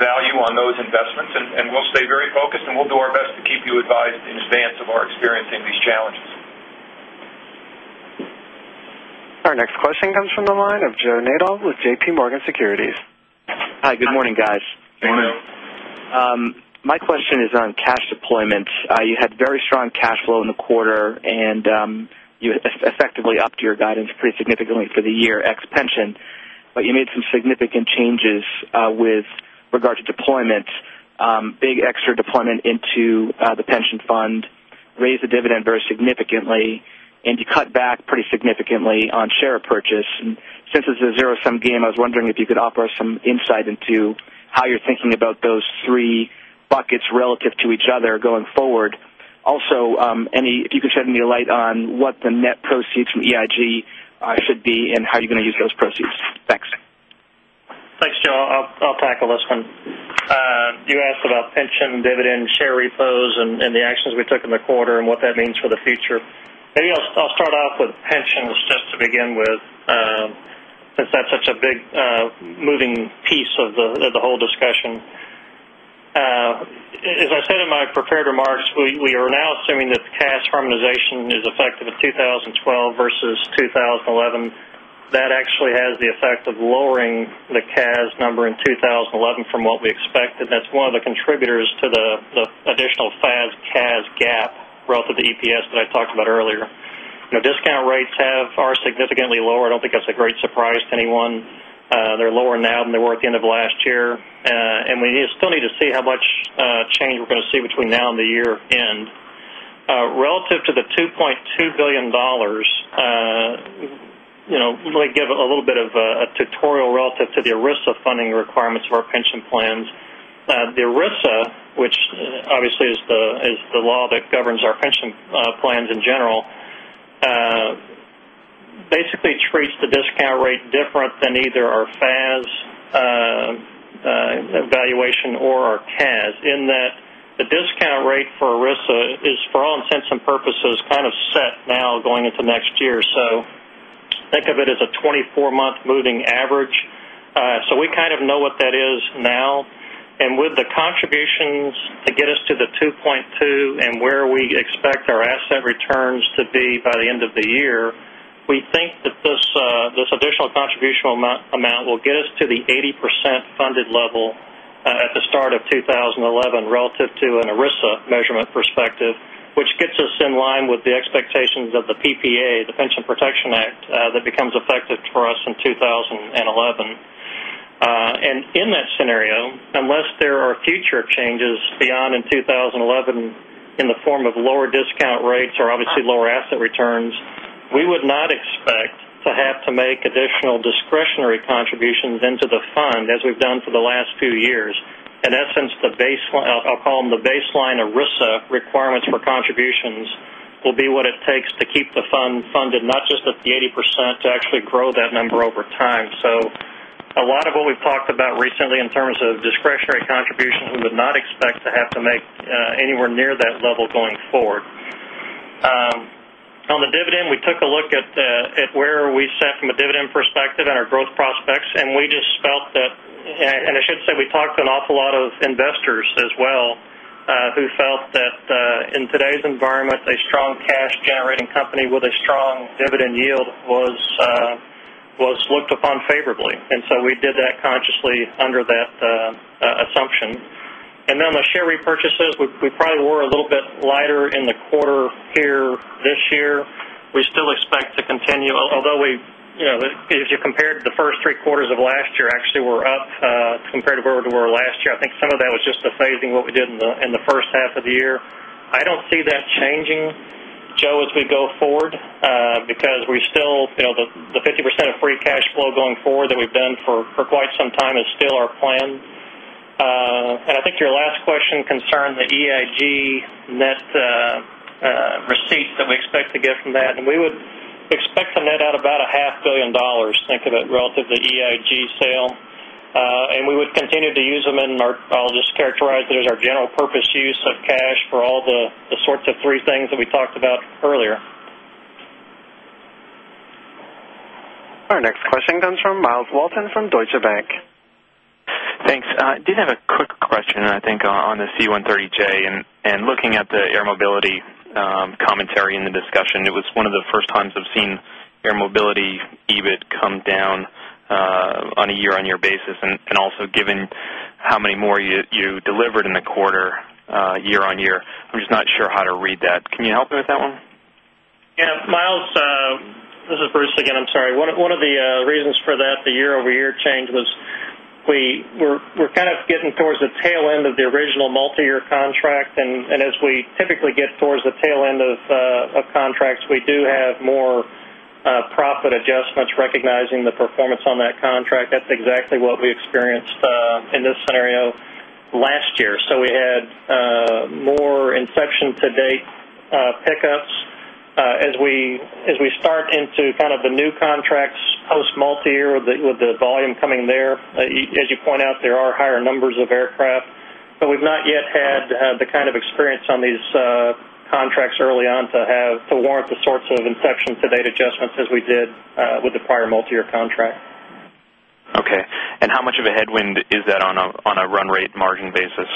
value on those investments And we'll stay very focused and we'll do our best to keep you advised in advance of our experiencing these challenges. Our next question comes from the line of Joe Nadeau with JPMorgan Securities. Hi, good morning guys. Good morning, Joe. My question is on cash deployments. You had very strong cash flow in the quarter and you effectively upped your guidance pretty significantly for the year ex pension. You made some significant changes with regard to deployments, big extra deployment into the pension fund, Raise the dividend very significantly and you cut back pretty significantly on share repurchase. Since it's a zero sum game, I was wondering if you could offer us some insight into How you're thinking about those 3 buckets relative to each other going forward? Also, any if you could shed any light on what the net proceeds from EIG should be and how you're going to use those proceeds? Thanks. Thanks, John. I'll tackle this one. You asked about dividend, share repos and the actions we took in the quarter and what that means for the future. Maybe I'll start off with pensions just to begin with, because that's such a big moving piece of the whole discussion. As I said in my prepared remarks. We are now assuming that the CAS harmonization is effective at 2012 versus 2011. That actually has the effect of lowering the CAS number in 2011 from what we expected. That's one of the contributors to the additional FAS CAS gap Relative to EPS that I talked about earlier. Discount rates have are significantly lower. I don't think that's a great surprise to anyone. They're lower now than they were at the end of last year, and we still need to see how much change we're going to see between now and the year end. Relative to the $2,200,000,000 let me give a little bit of tutorial relative to the ERISA funding requirements of our pension plans. The ERISA, which obviously is the law that governs our pension plans in general, Basically treats the discount rate different than either our FAS Valuation or our CAS in that the discount rate for Arista is for all intents and purposes kind of set now going into next year. So Think of it as a 24 month moving average. So we kind of know what that is now. And with the contributions to get us to the $2,200,000 and where we expect our asset returns to be by the end of the year. We think This additional contribution amount will get us to the 80% funded level at the start of 2011 relative 2 and ERISA measurement perspective, which gets us in line with the expectations of the PPA, the Pension Protection Act, that becomes effective for us in 2011. And in that scenario, unless there are future changes beyond in 2011 in the form of lower count rates are obviously lower asset returns. We would not expect to have to make additional discretionary contributions into the fund as we've done for the last few years. In essence, the baseline I'll call them the baseline ERISA requirements for contributions will be what it takes to keep the fund funded not just at the 80 to actually grow that number over time. So a lot of what we've talked about recently in terms of discretionary contribution, we would not expect to have to make Anywhere near that level going forward. On the dividend, we took a look at where we sat from a dividend perspective and our growth prospects and we just And I should say we talked to an awful lot of investors as well, who felt that in today's environment, a strong cash Generating company with a strong dividend yield was looked upon favorably. And so we did that consciously under that assumption. And then the share repurchases, we probably were a little bit lighter in the quarter here this year. We still expect to continue, although we If you compare the 1st three quarters of last year, actually we're up compared to where we were last year. I think some of that was just the phasing what we did in the first half of the year. I don't see that changing, Joe, as we go forward, because we still the 50% of free cash flow going forward that we've done for quite some Time is still our plan. And I think your last question concerned the EIG net receipt that we expect to get from that. And we would We expect to net out about $500,000,000 think of it relative to EIG sale. And we would continue to use them in our I'll just characterize it as our general purpose use of cash for all the sorts of three things that we talked about earlier. Our next question comes from Myles Walton from Deutsche Bank. Thanks. I did have a quick question, I think, on the C-one hundred and thirty J and looking at the air mobility commentary in the discussion, it was one of the first times I've seen Air Mobility EBIT come down on a year on year basis and also given how many more you delivered in the quarter year on year. I'm just not sure how to read that. Can you help me with that one? Yes. Myles, this is Bruce again. I'm sorry. One of the reasons for that, the year over year changes. We're kind of getting towards the tail end of the original multiyear contract and as we typically get towards the tail end of contracts. We do have more profit adjustments recognizing the performance on that contract. That's exactly what we experienced in this scenario last year. So we had more inception to date pickups as we start into kind of the new contracts post multiyear with the volume coming there. As you point out, there are higher numbers of aircraft, but we've not yet had the kind of experience on these contracts early on to have to warrant the sorts of inception to date adjustments as we did with the prior multiyear contract. Okay. And how much of a headwind is that on a run rate margin basis?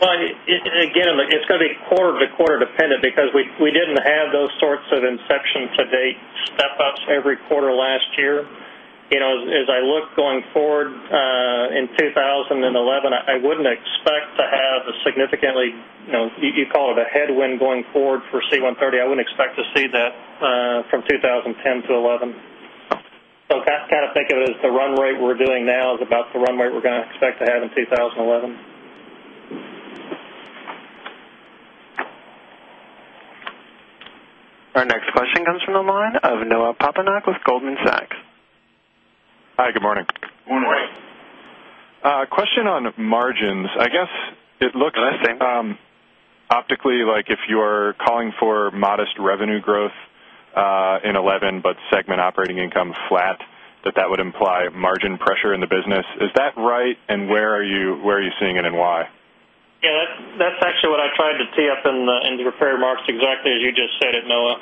Well, again, it's going to be quarter to quarter dependent because we didn't have those sorts of inception to date step ups every quarter last year. As I look going forward in 2011, I wouldn't expect to have a significantly You call it a headwind going forward for C-one hundred and thirty, I wouldn't expect to see that from 2010 to 'eleven. So kind of think of it as the run rate we're doing now is about the run rate we're going to expect to have in 2011. Our next question comes from the line of Noah Poponak with Goldman Sachs. Hi, good morning. Good morning. Question on margins. I guess it looks Optically, like if you are calling for modest revenue growth in 2011, but segment operating income flat that that would imply margin pressure in the business. Is that right? And where are you seeing it and why? Yes. That's actually what I tried to tee up in And the prepared remarks exactly as you just said it, Noah.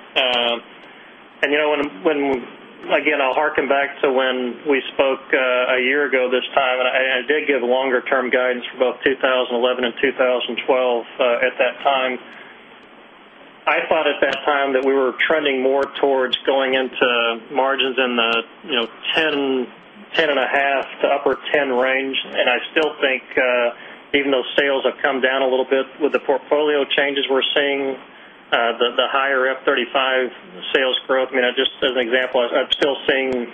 And when again, I'll harken back to when we spoke a year ago this time, and I did give longer term guidance for both 2011 2012 at that time. I thought at that time that we were trending more towards going into margins in the 10, 10.5% to upper 10% range. And I still think Even though sales have come down a little bit with the portfolio changes we're seeing, the higher F-thirty five sales growth, I mean, just as an example, I'm still seeing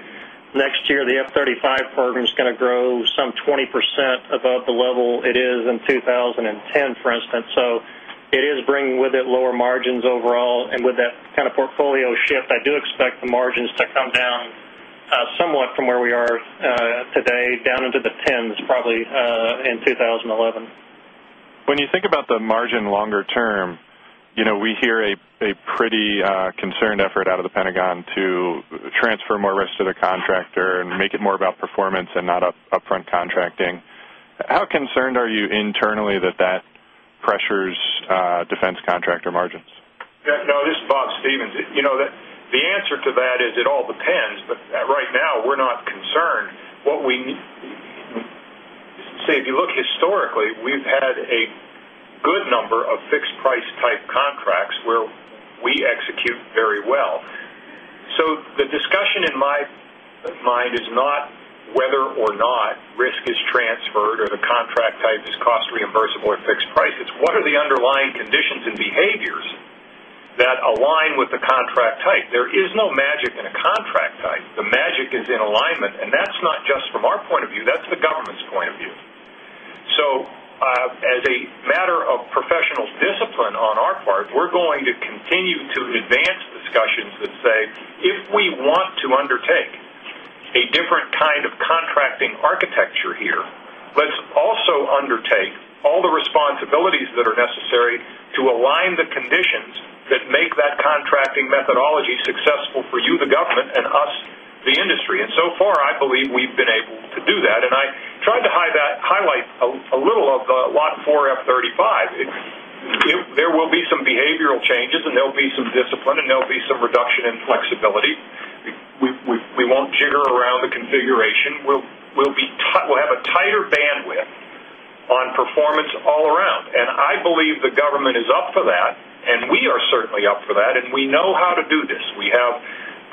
Next year, the F-thirty five program is going to grow some 20% above the level it is in 2010, for instance. So It is bringing with it lower margins overall and with that kind of portfolio shift, I do expect the margins to come down somewhat from where we are today down into the 10s probably in 2011. When you think about the margin longer term, We hear a pretty concerned effort out of the Pentagon to transfer more risk to the contractor and make it more about performance and not upfront contracting. How concerned are you internally that that pressures defense contractor margins? Yes. No, this is Bob Stephens. The answer to that is it all depends, but right now we're not concerned. What we say if you look historically, we've had a good number of fixed price type contracts where we execute very well. So the discussion in my mind is not Whether or not risk is transferred or the contract type is cost reimbursable at fixed price, it's what are the underlying conditions and behaviors that align with the contract type. There is no magic in a contract type. The magic is in alignment and that's not just from our point of view, that's the government's point of view. So as a matter of professional discipline on our part, we're going to continue to advance discussions that say, If we want to undertake a different kind of contracting architecture here, let's also undertake All the responsibilities that are necessary to align the conditions that make that contracting methodology successful for you, the government and us, of the Industry. And so far, I believe we've been able to do that. And I tried to highlight a little of Lot 4 F-thirty 5. There will be some behavioral changes and there will be some discipline and there will be some reduction in flexibility. We won't jigger around the configuration. We'll have a tighter bandwidth on performance all around and I believe the government is up for that And we are certainly up for that and we know how to do this. We have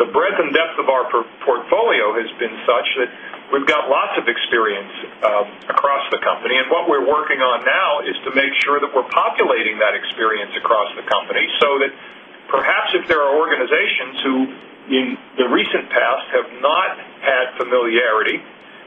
the breadth and depth of our portfolio has been such that We've got lots of experience across the company and what we're working on now is to make sure that we're populating that experience across the company, so that Perhaps if there are organizations who in the recent past have not had familiarity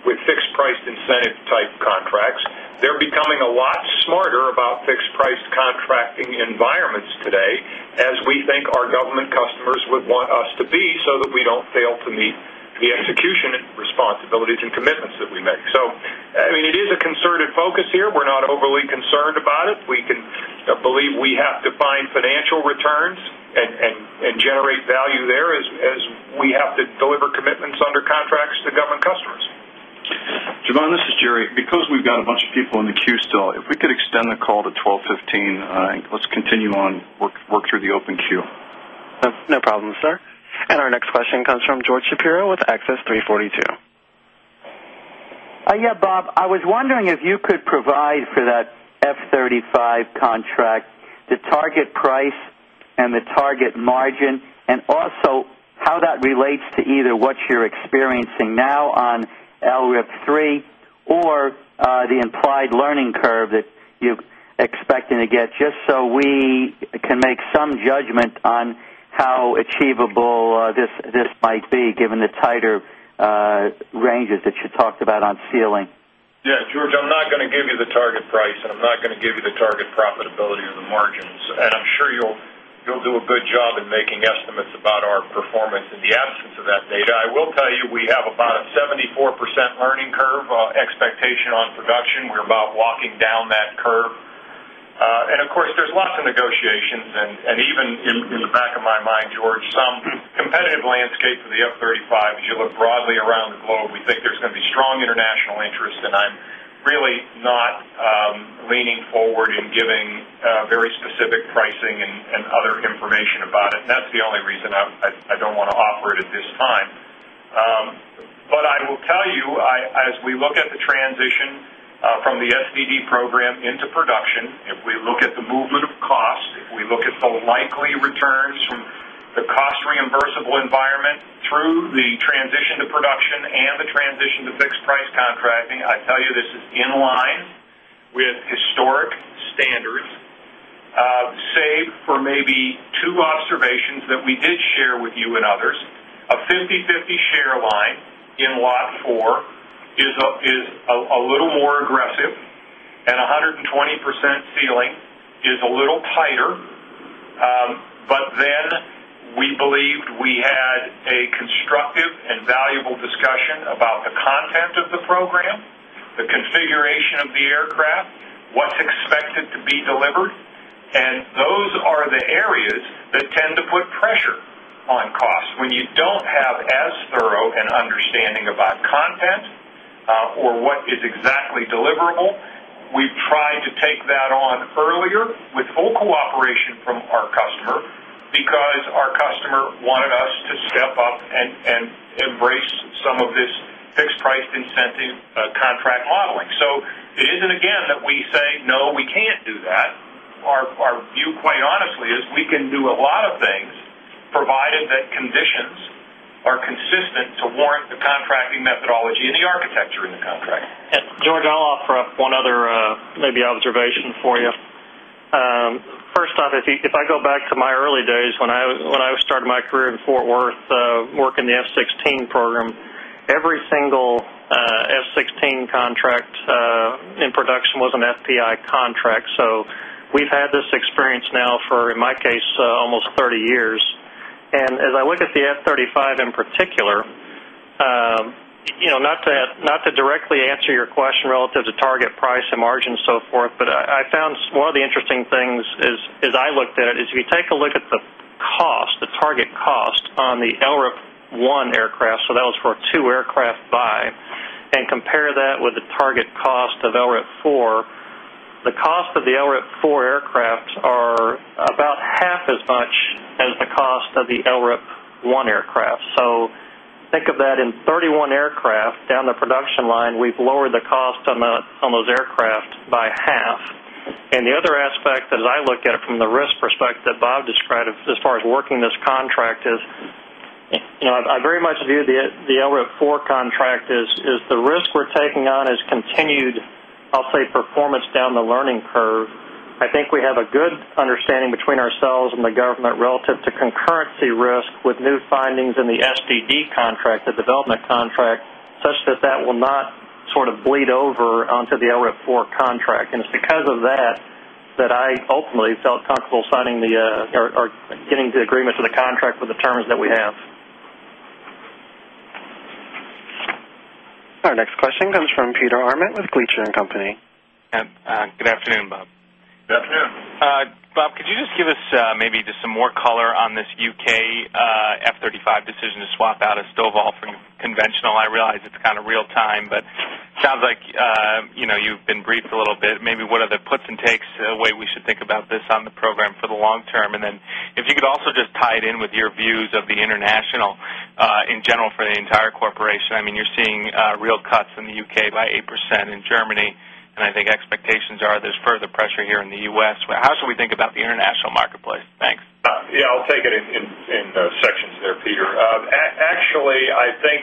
with fixed priced incentive type contracts, They're becoming a lot smarter about fixed price contracting environments today as we think our government customers would want us to be so that we don't fail to meet and the execution and responsibilities and commitments that we make. So, I mean it is a concerted focus here. We're not overly concerned about it. We can I believe we have to find financial returns and generate value there as we have to deliver commitments under contracts to government customers? Jovan, this is Jerry. Because we've got a bunch of people in the queue still, if we could extend the call to 12:15, let's continue on work through the open queue. No problem, sir. And our next question comes from George Shapiro with Axis 342. Yes, Bob, I was wondering if you could provide for that F-thirty five contract, the target price and the target margin and also how that relates to either what you're Experiencing now on LRIP3 or the implied learning curve that you're expecting to get just so we We can make some judgment on how achievable this might be given the tighter ranges that you talked about on sealing. Yes. George, I'm not going to give you the target price and I'm not going to give you the target profitability or the margins. And I'm sure you'll do a good job in making estimates about our performance The absence of that data, I will tell you we have about a 74% earning curve expectation on production. We're about walking down that curve. And of course, there's lots of negotiations. And even in the back of my mind, George, some competitive landscape of the F-thirty 5 as you look broadly around the call. We think there is going to be strong international interest and I am really not leaning forward in giving very specific pricing and other information about it. That's the only reason I don't want to operate at this time. But I will tell you, as we look at the transition from the SVD program into production. If we look at the movement of cost, if we look at the likely returns from The cost reimbursable environment through the transition to production and the transition to fixed price contracting, I tell you this is in line with historic standards, save for maybe 2 observations that we did share with you and others. A fifty-fifty share line in Lot 4 is a little more aggressive and 120% ceiling It's a little tighter, but then we believed we had a constructive and valuable discussion about the content of the program, the configuration of the aircraft, what's expected to be delivered and those are the areas that tend to put pressure on costs. When you don't have as thorough an understanding about content for what is exactly deliverable. We've tried to take that on earlier with full cooperation from our customer because our customer wanted us to step up and embrace some of this fixed priced incentive contract modeling. So It isn't again that we say no, we can't do that. Our view quite honestly is we can do a lot of things provided that conditions are consistent to warrant the contracting methodology and the architecture in the contract. George, I'll offer up one other maybe observation for you. First off, if I go back to my early days when I was starting my career in Fort Worth, working the F-sixteen program, Every single F-sixteen contract in production was an FPI contract. So, we've had this experience now for, in my case, almost 30 years. And as I look at the F-thirty 5 in particular, not to directly answer your question relative to target price and margin so forth, but I found one of the interesting things is, as I looked at it, is if you take a look at the cost, the target cost on the LRIP 1 aircraft, so that was for 2 aircraft buy and compare that with the target cost of LRAP 4. The cost of the LRIP 4 aircrafts are about half as much as the cost of the LRIP 1 aircraft. So Think of that in 31 aircraft down the production line, we've lowered the cost on those aircraft by half. And the other aspect as I look at it from the risk perspective that Bob described as far as working this contract is, I very much view The LRAP 4 contract is the risk we're taking on is continued, I'll say performance down the learning curve. I think we have a good understanding between ourselves and the government relative to concurrency risk with new findings in the STD contract, the development contract, such that, that will not sort of bleed over onto the LRAP 4 contract. And it's because of that, that I ultimately felt comfortable signing the or Getting to agreements with the contract for the terms that we have. Our next question comes from Peter Arment with Gleacher and Company. Good afternoon, Bob. Good afternoon. Bob, could you just give us maybe just some more color on this U. K. F-thirty five decision to swap out a Stovall from Conventional. I realize it's kind of real time, but it sounds like you've been briefed a little bit. Maybe what are the puts and takes, the way we should think about this on the program for the long term? And then If you could also just tie it in with your views of the international, in general for the entire corporation. I mean, you're seeing real cuts in the UK by 8% in Germany. And I think expectations are there's further pressure here in the U. S. How should we think about the international marketplace? Thanks. Yes, I'll take it section there, Peter. Actually, I think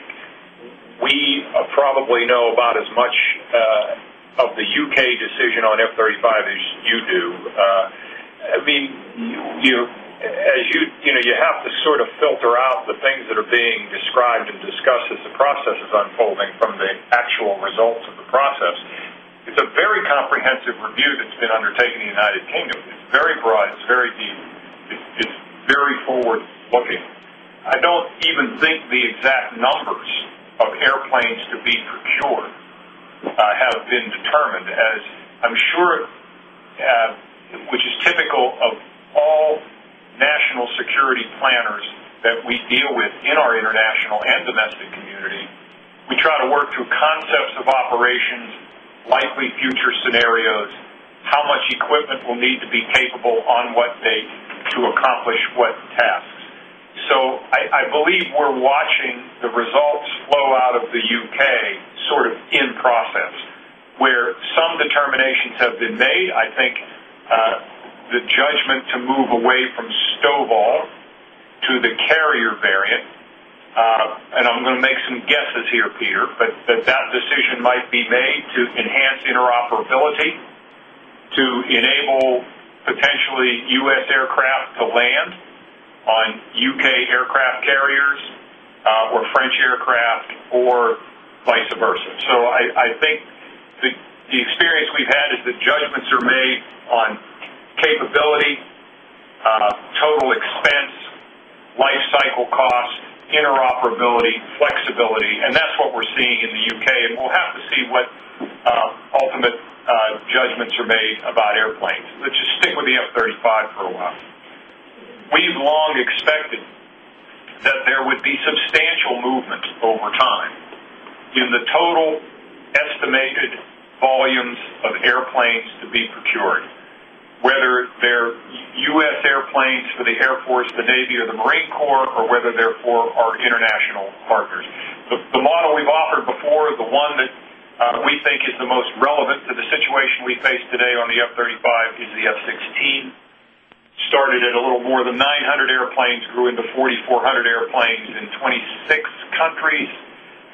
we probably know about as much of the U. K. Decision on F-thirty 5 as you do. I mean, as you have to sort of filter out the things that are being described and discussed as the process is unfolding from the actual results of the process. It's a very comprehensive review that's been undertaken in the United Kingdom. Very broad, it's very deep. It's very forward looking. I don't even think the exact numbers of airplanes to be procured have been determined as I am sure which is typical of all national security planners that we deal with in our international and domestic community. We try to work through concepts of operations, likely future scenarios, How much equipment will need to be capable on what they to accomplish what tasks. So I believe we are watching the results Slow out of the U. K. Sort of in process where some determinations have been made. I think The judgment to move away from Stovall to the carrier variant And I'm going to make some guesses here, Peter, but that decision might be made to enhance interoperability to enable Potentially U. S. Aircraft to land on U. K. Aircraft carriers or French aircraft or vice versa. So I think the experience we've had is the judgments are made on capability, total expense, Lifecycle Costs, Interoperability, Flexibility and that's what we're seeing in the U. K. And we'll have to see what Ultimate judgments are made about airplanes. Let's just stick with the M35 for a while. We have long expected that there would be substantial movement over time in the total estimated volumes of airplanes to be procured, whether they're U. S. Airplanes for the Air Force, the Navy or the Marine Corps or whether they're Partners. The model we've offered before is the one that we think is the most relevant to the situation we face today on the F-thirty 5 is the F-sixteen started at a little more than 900 airplanes grew into 4,400 airplanes in 26 countries.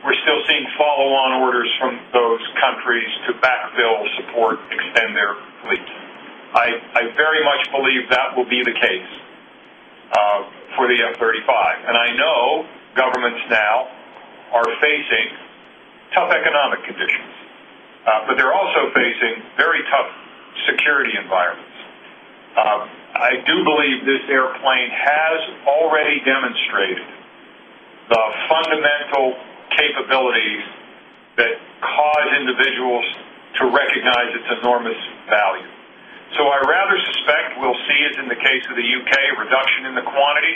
We're still seeing follow on orders from those Countries to backfill, support, extend their fleet. I very much believe that will be the case for the F-thirty 5. And I know governments now are facing tough economic conditions, But they're also facing very tough security environments. I do believe this airplane has already demonstrated Fundamentals Capabilities That Cause Individuals TO Recognize Its Enormous Value. So I rather suspect we'll see is in the case of the U. K. Reduction in the quantity,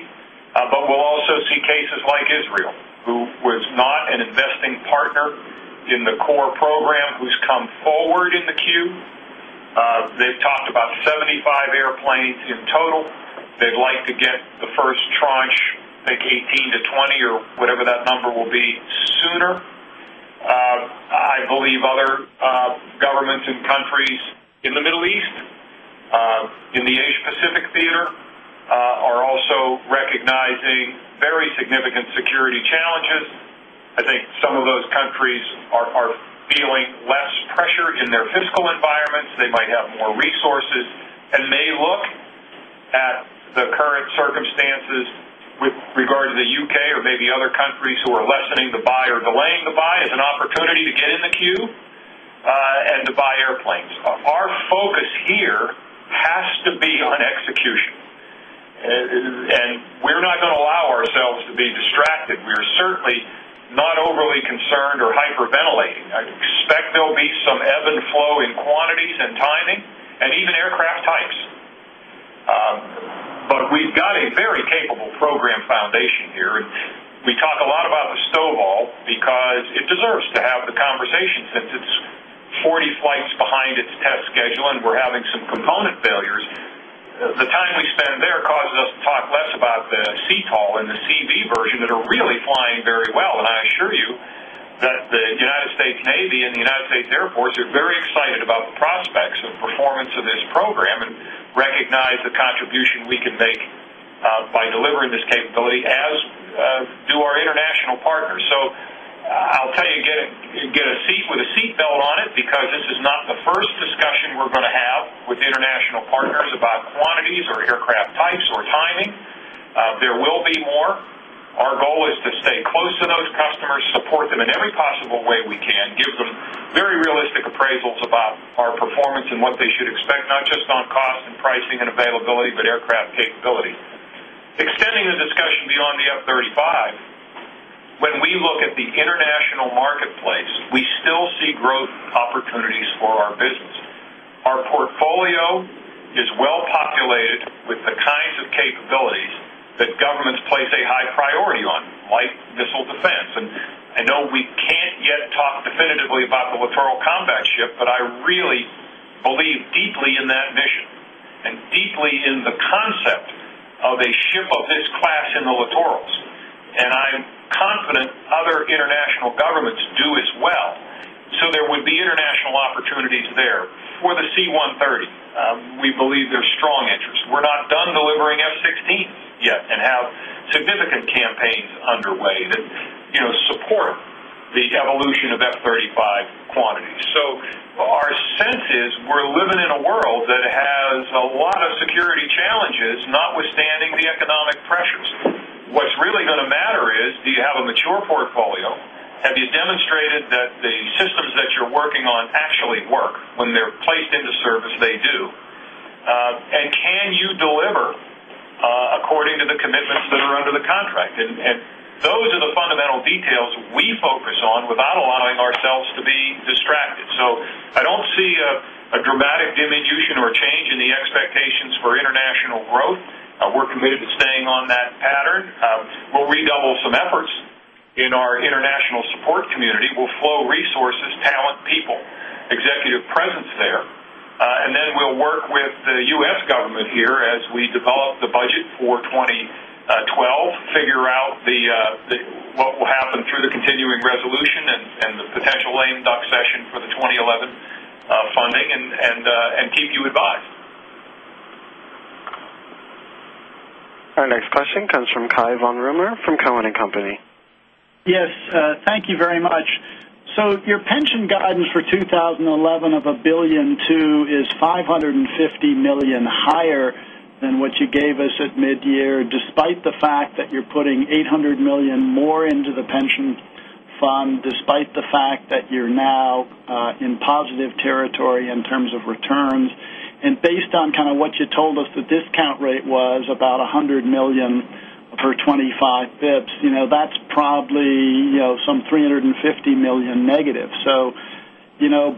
but we'll also see cases like Israel, who was not an investing partner in the core program who has come forward in the queue. They've talked about 75 airplanes in total. They'd like to get the 1st tranche like 18 to 20 or whatever that number will be sooner. I believe other governments and countries in the Middle East, in the Asia Pacific Theater are also recognizing very significant security challenges. I think some of those countries are Feeling less pressure in their fiscal environments, they might have more resources and may look at The current circumstances with regard to the U. K. Or maybe other countries who are lessening the buy or delaying the buy is an opportunity to get in the queue and Dubai Airplanes. Our focus here has to be on execution and We are not going to allow ourselves to be distracted. We are certainly not overly concerned or hyperventilating. I expect there will be some ebb and flow in quantities and timing and even aircraft types. But we've got a very capable program foundation here. We talk a lot about the Stovall because it deserves to have the conversation since it's 40 flights behind its test schedule and we're having some component failures. The time we spend there causes us to talk less about the CTOL and the CV version that are really flying very well. And I assure you The United States Navy and the United States Air Force are very excited about the prospects and performance of this program and recognize the contribution we can make by delivering this capability as do our international partners. So I'll tell you get a seat with a seat belt on it Because this is not the first discussion we're going to have with international partners about quantities or aircraft types or timing, there will be more. Our goal is to stay close to those customers, support them in every possible way we can, give them very realistic appraisals about our performance and what they should segment not just on cost and pricing and availability, but aircraft capability. Extending the discussion beyond the F-thirty 5, When we look at the international marketplace, we still see growth opportunities for our business. Our portfolio is well populated with the kinds of capabilities that governments place a high priority on like missile defense. I know we can't yet talk definitively about the Littoral Combat Ship, but I really believe deeply in that mission and deeply in the concept of a ship of this class in the littorals and I'm confident other international governments do as well. So there would be international opportunities there. For the C-one hundred and thirty, we believe there is strong interest. We are not done delivering F-sixteen yet and have Significant campaigns underway that support the evolution of F-thirty five quantity. So Well, our sense is we're living in a world that has a lot of security challenges notwithstanding the economic pressures. What's really going to matter is, do you have a mature portfolio? Have you demonstrated that the systems that you're working on actually work? When they are placed into service, they do. And can you deliver according to the commitments that are under the contract? And Those are the fundamental details we focus on without allowing ourselves to be distracted. So I don't see A dramatic diminution or change in the expectations for international growth. We are committed to staying on that pattern. We will redouble some efforts in our international support community. We'll flow resources, talent, people, executive presence there and then we'll work with The U. S. Government here as we develop the budget for 2012 figure out what will happen through the continuing resolution and the potential lame duck session for the 2011 funding and keep you advised. Our next question comes from Cai von Rumohr from Cowen and Company. Yes. Thank you very much. So your pension guidance for 2011 of $1,200,000,000 is $550,000,000 higher than what you gave us at mid year despite the fact that you're putting $800,000,000 more into the pension fund despite the fact that you're now in positive territory in terms of returns. And based on kind of what you told us the discount rate was about $100,000,000 for 25 bps, that's probably some $350,000,000 negative. So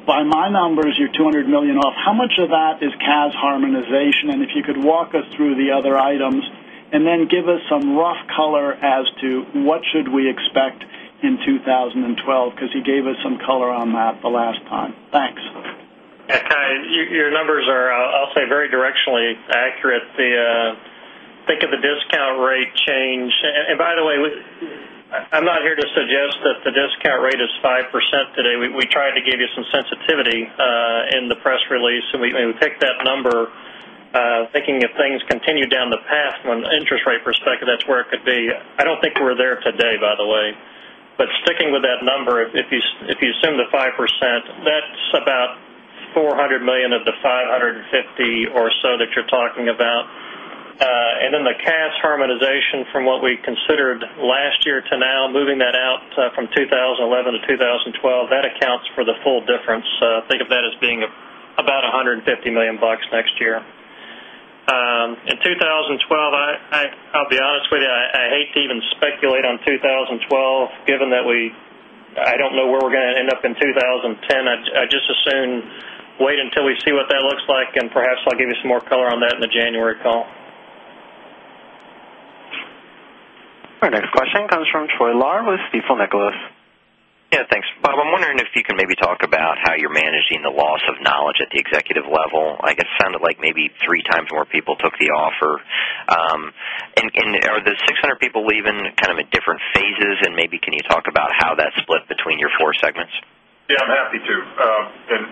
by my numbers, your $200,000,000 off, how much of that is CAS harmonization. And if you could walk us through the other items and then give us some rough color as to what should we expect in 2012, because you gave us some color on that the last time. Thanks. Your numbers are, I'll say, very directionally accurate. Think of the discount rate change. And by the way, I'm not here to suggest that the discount rate is 5% today. We tried to give you Sensitivity in the press release. So we take that number thinking if things continue down the path from an interest rate perspective, that's where I don't think we're there today by the way, but sticking with that number, if you assume the 5%, that's about $400,000,000 of the $550,000,000 or so that you're talking about. And then the cash harmonization from what we considered Last year to now, moving that out from 2011 to 2012, that accounts for the full difference. Think of that as being about $150,000,000 next year. In 2012, I'll be honest with you, I hate to even speculate on 20 call. Given that we I don't know where we're going to end up in 2010, I just assume wait until we see what that looks like and perhaps I'll give you some more color on that in the January call. Our next question comes from Troy Larr with Stifel Nicolaus. Yes, thanks. Bob, Bob, I'm wondering if you can maybe talk about how you're managing the loss of knowledge at the executive level. I guess it sounded like maybe 3 times more people took the offer. And are the 600 people leaving kind of in different phases and maybe can you talk about how that split between your 4 segments? Yes, I'm happy to. And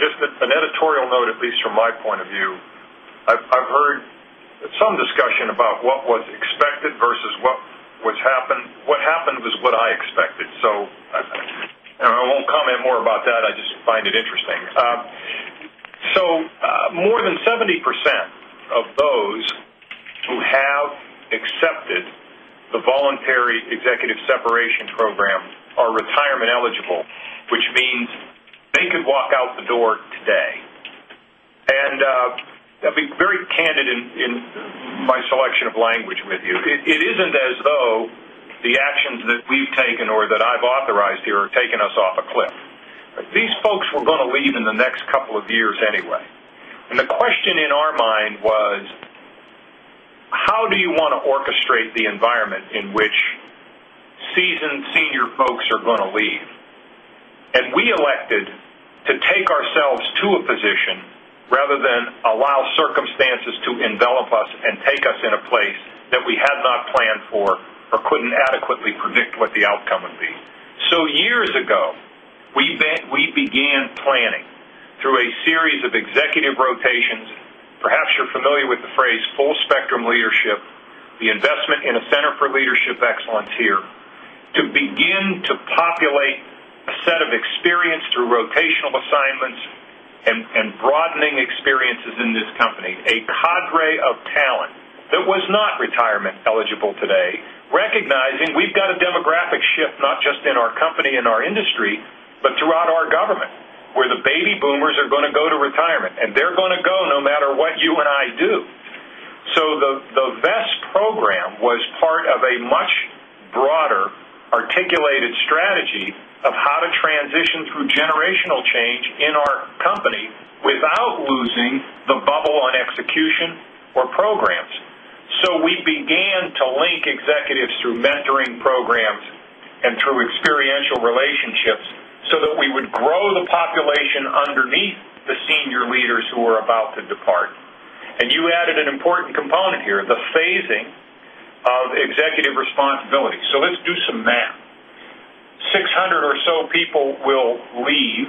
Just an editorial note at least from my point of view, I've heard some discussion about what was expected versus What happened was what I expected. So I won't comment more about that. I just find it interesting. So more than 70% of those who have accepted the voluntary executive separation program are retirement eligible, which means they could walk out the door today. And I'll be very candid in my selection of language with you. It isn't as though the actions that we've taken or that I've authorized You're taking us off a cliff. These folks were going to leave in the next couple of years anyway. And the question in our mind was, How do you want to orchestrate the environment in which seasoned senior folks are going to leave? And we elected to take ourselves to a position rather than allow circumstances to envelop us and take us in a place that we had not planned for or couldn't adequately predict what the outcome would be. So years ago, we began planning through a series of executive rotations, perhaps you're familiar with the phrase full spectrum leadership, the investment in a center for leadership excellence here to begin to populate a set of experience through rotational assignments and broadening experiences in this Company, a cadre of talent that was not retirement eligible today, recognizing we've got a demographic shift not just in our company and our industry, But throughout our government where the baby boomers are going to go to retirement and they're going to go no matter what you and I do. So the VEST program was part of a much broader articulated strategy of how to transition through generational change in our company without losing the bubble on execution or programs. So we began to link Executives through mentoring programs and through experiential relationships so that we would grow the population underneath The senior leaders who are about to depart. And you added an important component here, the phasing of executive responsibility. So let's do some math. 600 or so people will leave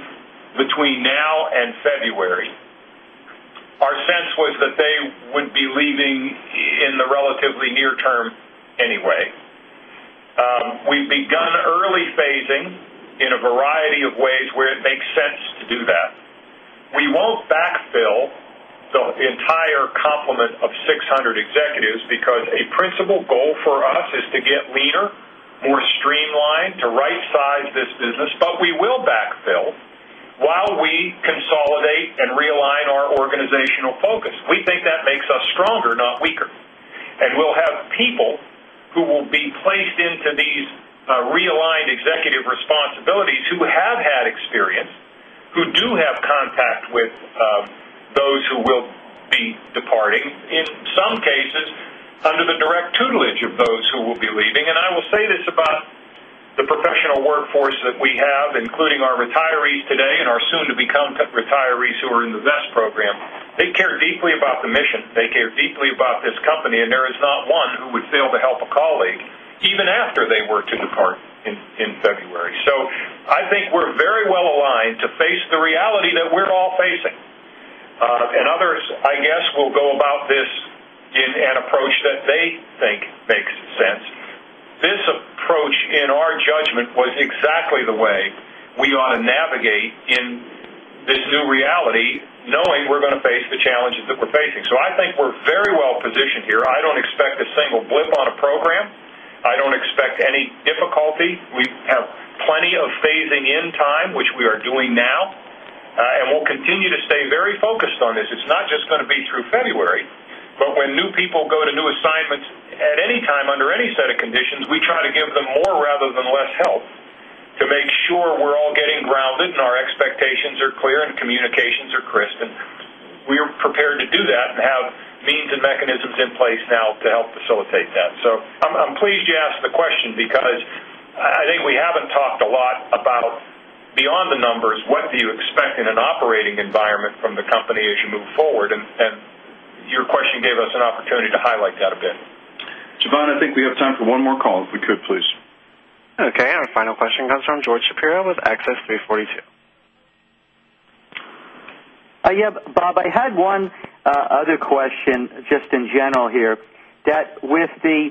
between now February. Our sense was that they would be leaving in the relatively near term anyway. We've begun early phasing in a variety of ways where it makes sense To do that, we won't backfill the entire complement of 600 executives because a principal goal for us is to get leaner, Stronger, not weaker. And we'll have people who will be placed into these realigned executive responsibilities who have had experience, who do have contact with those who will be departing in some cases under the direct tutelage of those who will be leaving and I will say this about the professional workforce that we have including our retirees today and our soon to become retiree So we're in the VEST program. They care deeply about the mission. They care deeply about this company and there is not one who would fail to help a colleague even after they were to depart in February. So I think we're very well aligned to face the reality that we're all facing. And others I guess will go about this in an approach that they think makes sense. This approach in our judgment was exactly the way We ought to navigate in this new reality knowing we're going to face the challenges that we're facing. So I think we're very well positioned here. I don't I don't expect any difficulty. We have plenty of phasing in time, which we are doing now And we'll continue to stay very focused on this. It's not just going to be through February, but when new people go to new assignments at any time Under any set of conditions, we try to give them more rather than less help to make sure we're all getting grounded and our expectations are clear and communications are crisp and We are prepared to do that and have means and mechanisms in place now to help facilitate that. So I'm pleased you asked the question because I think we haven't talked a lot about beyond the numbers what do you expect in an operating environment from the company as you move forward and Your question gave us an opportunity to highlight that a bit. Jovan, I think we have time for one more call, if we could please. Okay. And our final question comes from George Shapiro with Axis340 Q. Bob, I had one other question just in general here that with the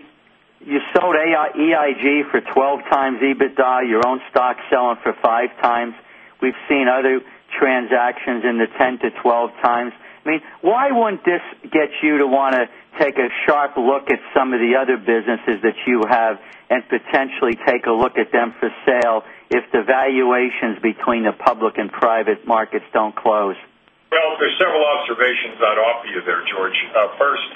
You sold EIG for 12 times EBITDA, your own stock selling for 5 times. We've seen other transactions in the 10 to 12 times. I mean, why won't this get you to want to take a sharp look at some of the other businesses that you have and potentially take a look at them for sale if the valuations between the public and private markets don't close. Well, there are several observations I'd offer you there, George, first.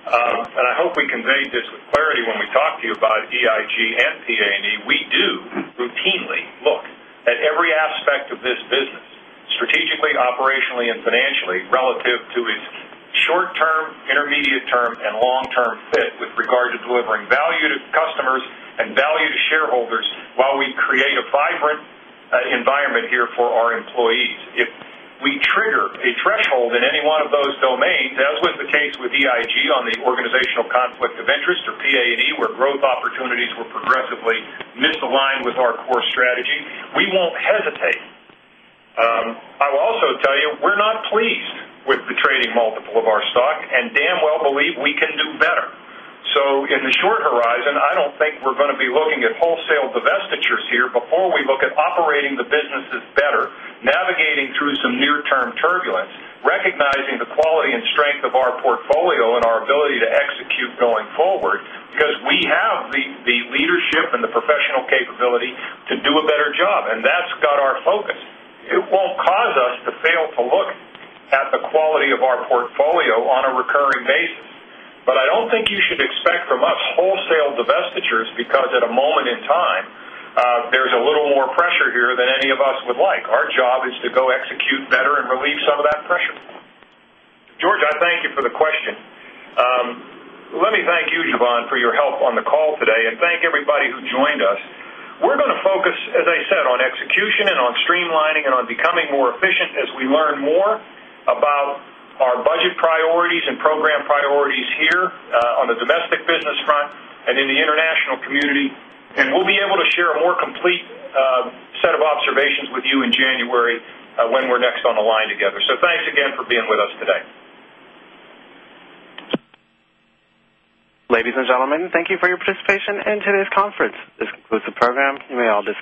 And I hope we conveyed this with clarity when we talked to you about EIG and We do routinely look at every aspect of this business strategically, operationally and financially relative to its short term, intermediate term and long term fit with regard to delivering value to customers and value to shareholders, while we create a vibrant environment here for our employees. If we trigger a threshold in any one of those domains as was the case with EIG on the organizational conflict of interest PAD where growth opportunities were progressively misaligned with our core strategy, we won't hesitate. I will also tell you, we're not pleased with the trading multiple of our stock and damn well believe we can do better. So in the short horizon, I don't think we're going to be looking at wholesale pictures here before we look at operating the businesses better, navigating through some near term turbulence, recognizing the quality and strength of our portfolio and our ability to execute going forward because we have the leadership and the professional capability to do a better job and that's got our focus. It won't cause us to fail to look at the quality of our portfolio on a recurring basis, But I don't think you should expect from us wholesale divestitures because at a moment in time, there is a little more pressure here than any of us would like. Our job is to go George, I thank you for the question. Let me thank you, Yvonne, for your help on the call today and thank everybody who joined Call. We're going to focus, as I said, on execution and on streamlining and on becoming more efficient as we learn more about Our budget priorities and program priorities here on the domestic business front and in the international community and we'll be able to share a more complete set of observations with you in January when we're next on the line together. So thanks again for being with us today. Ladies and gentlemen, thank you for your participation in today's conference. This concludes the program. You may all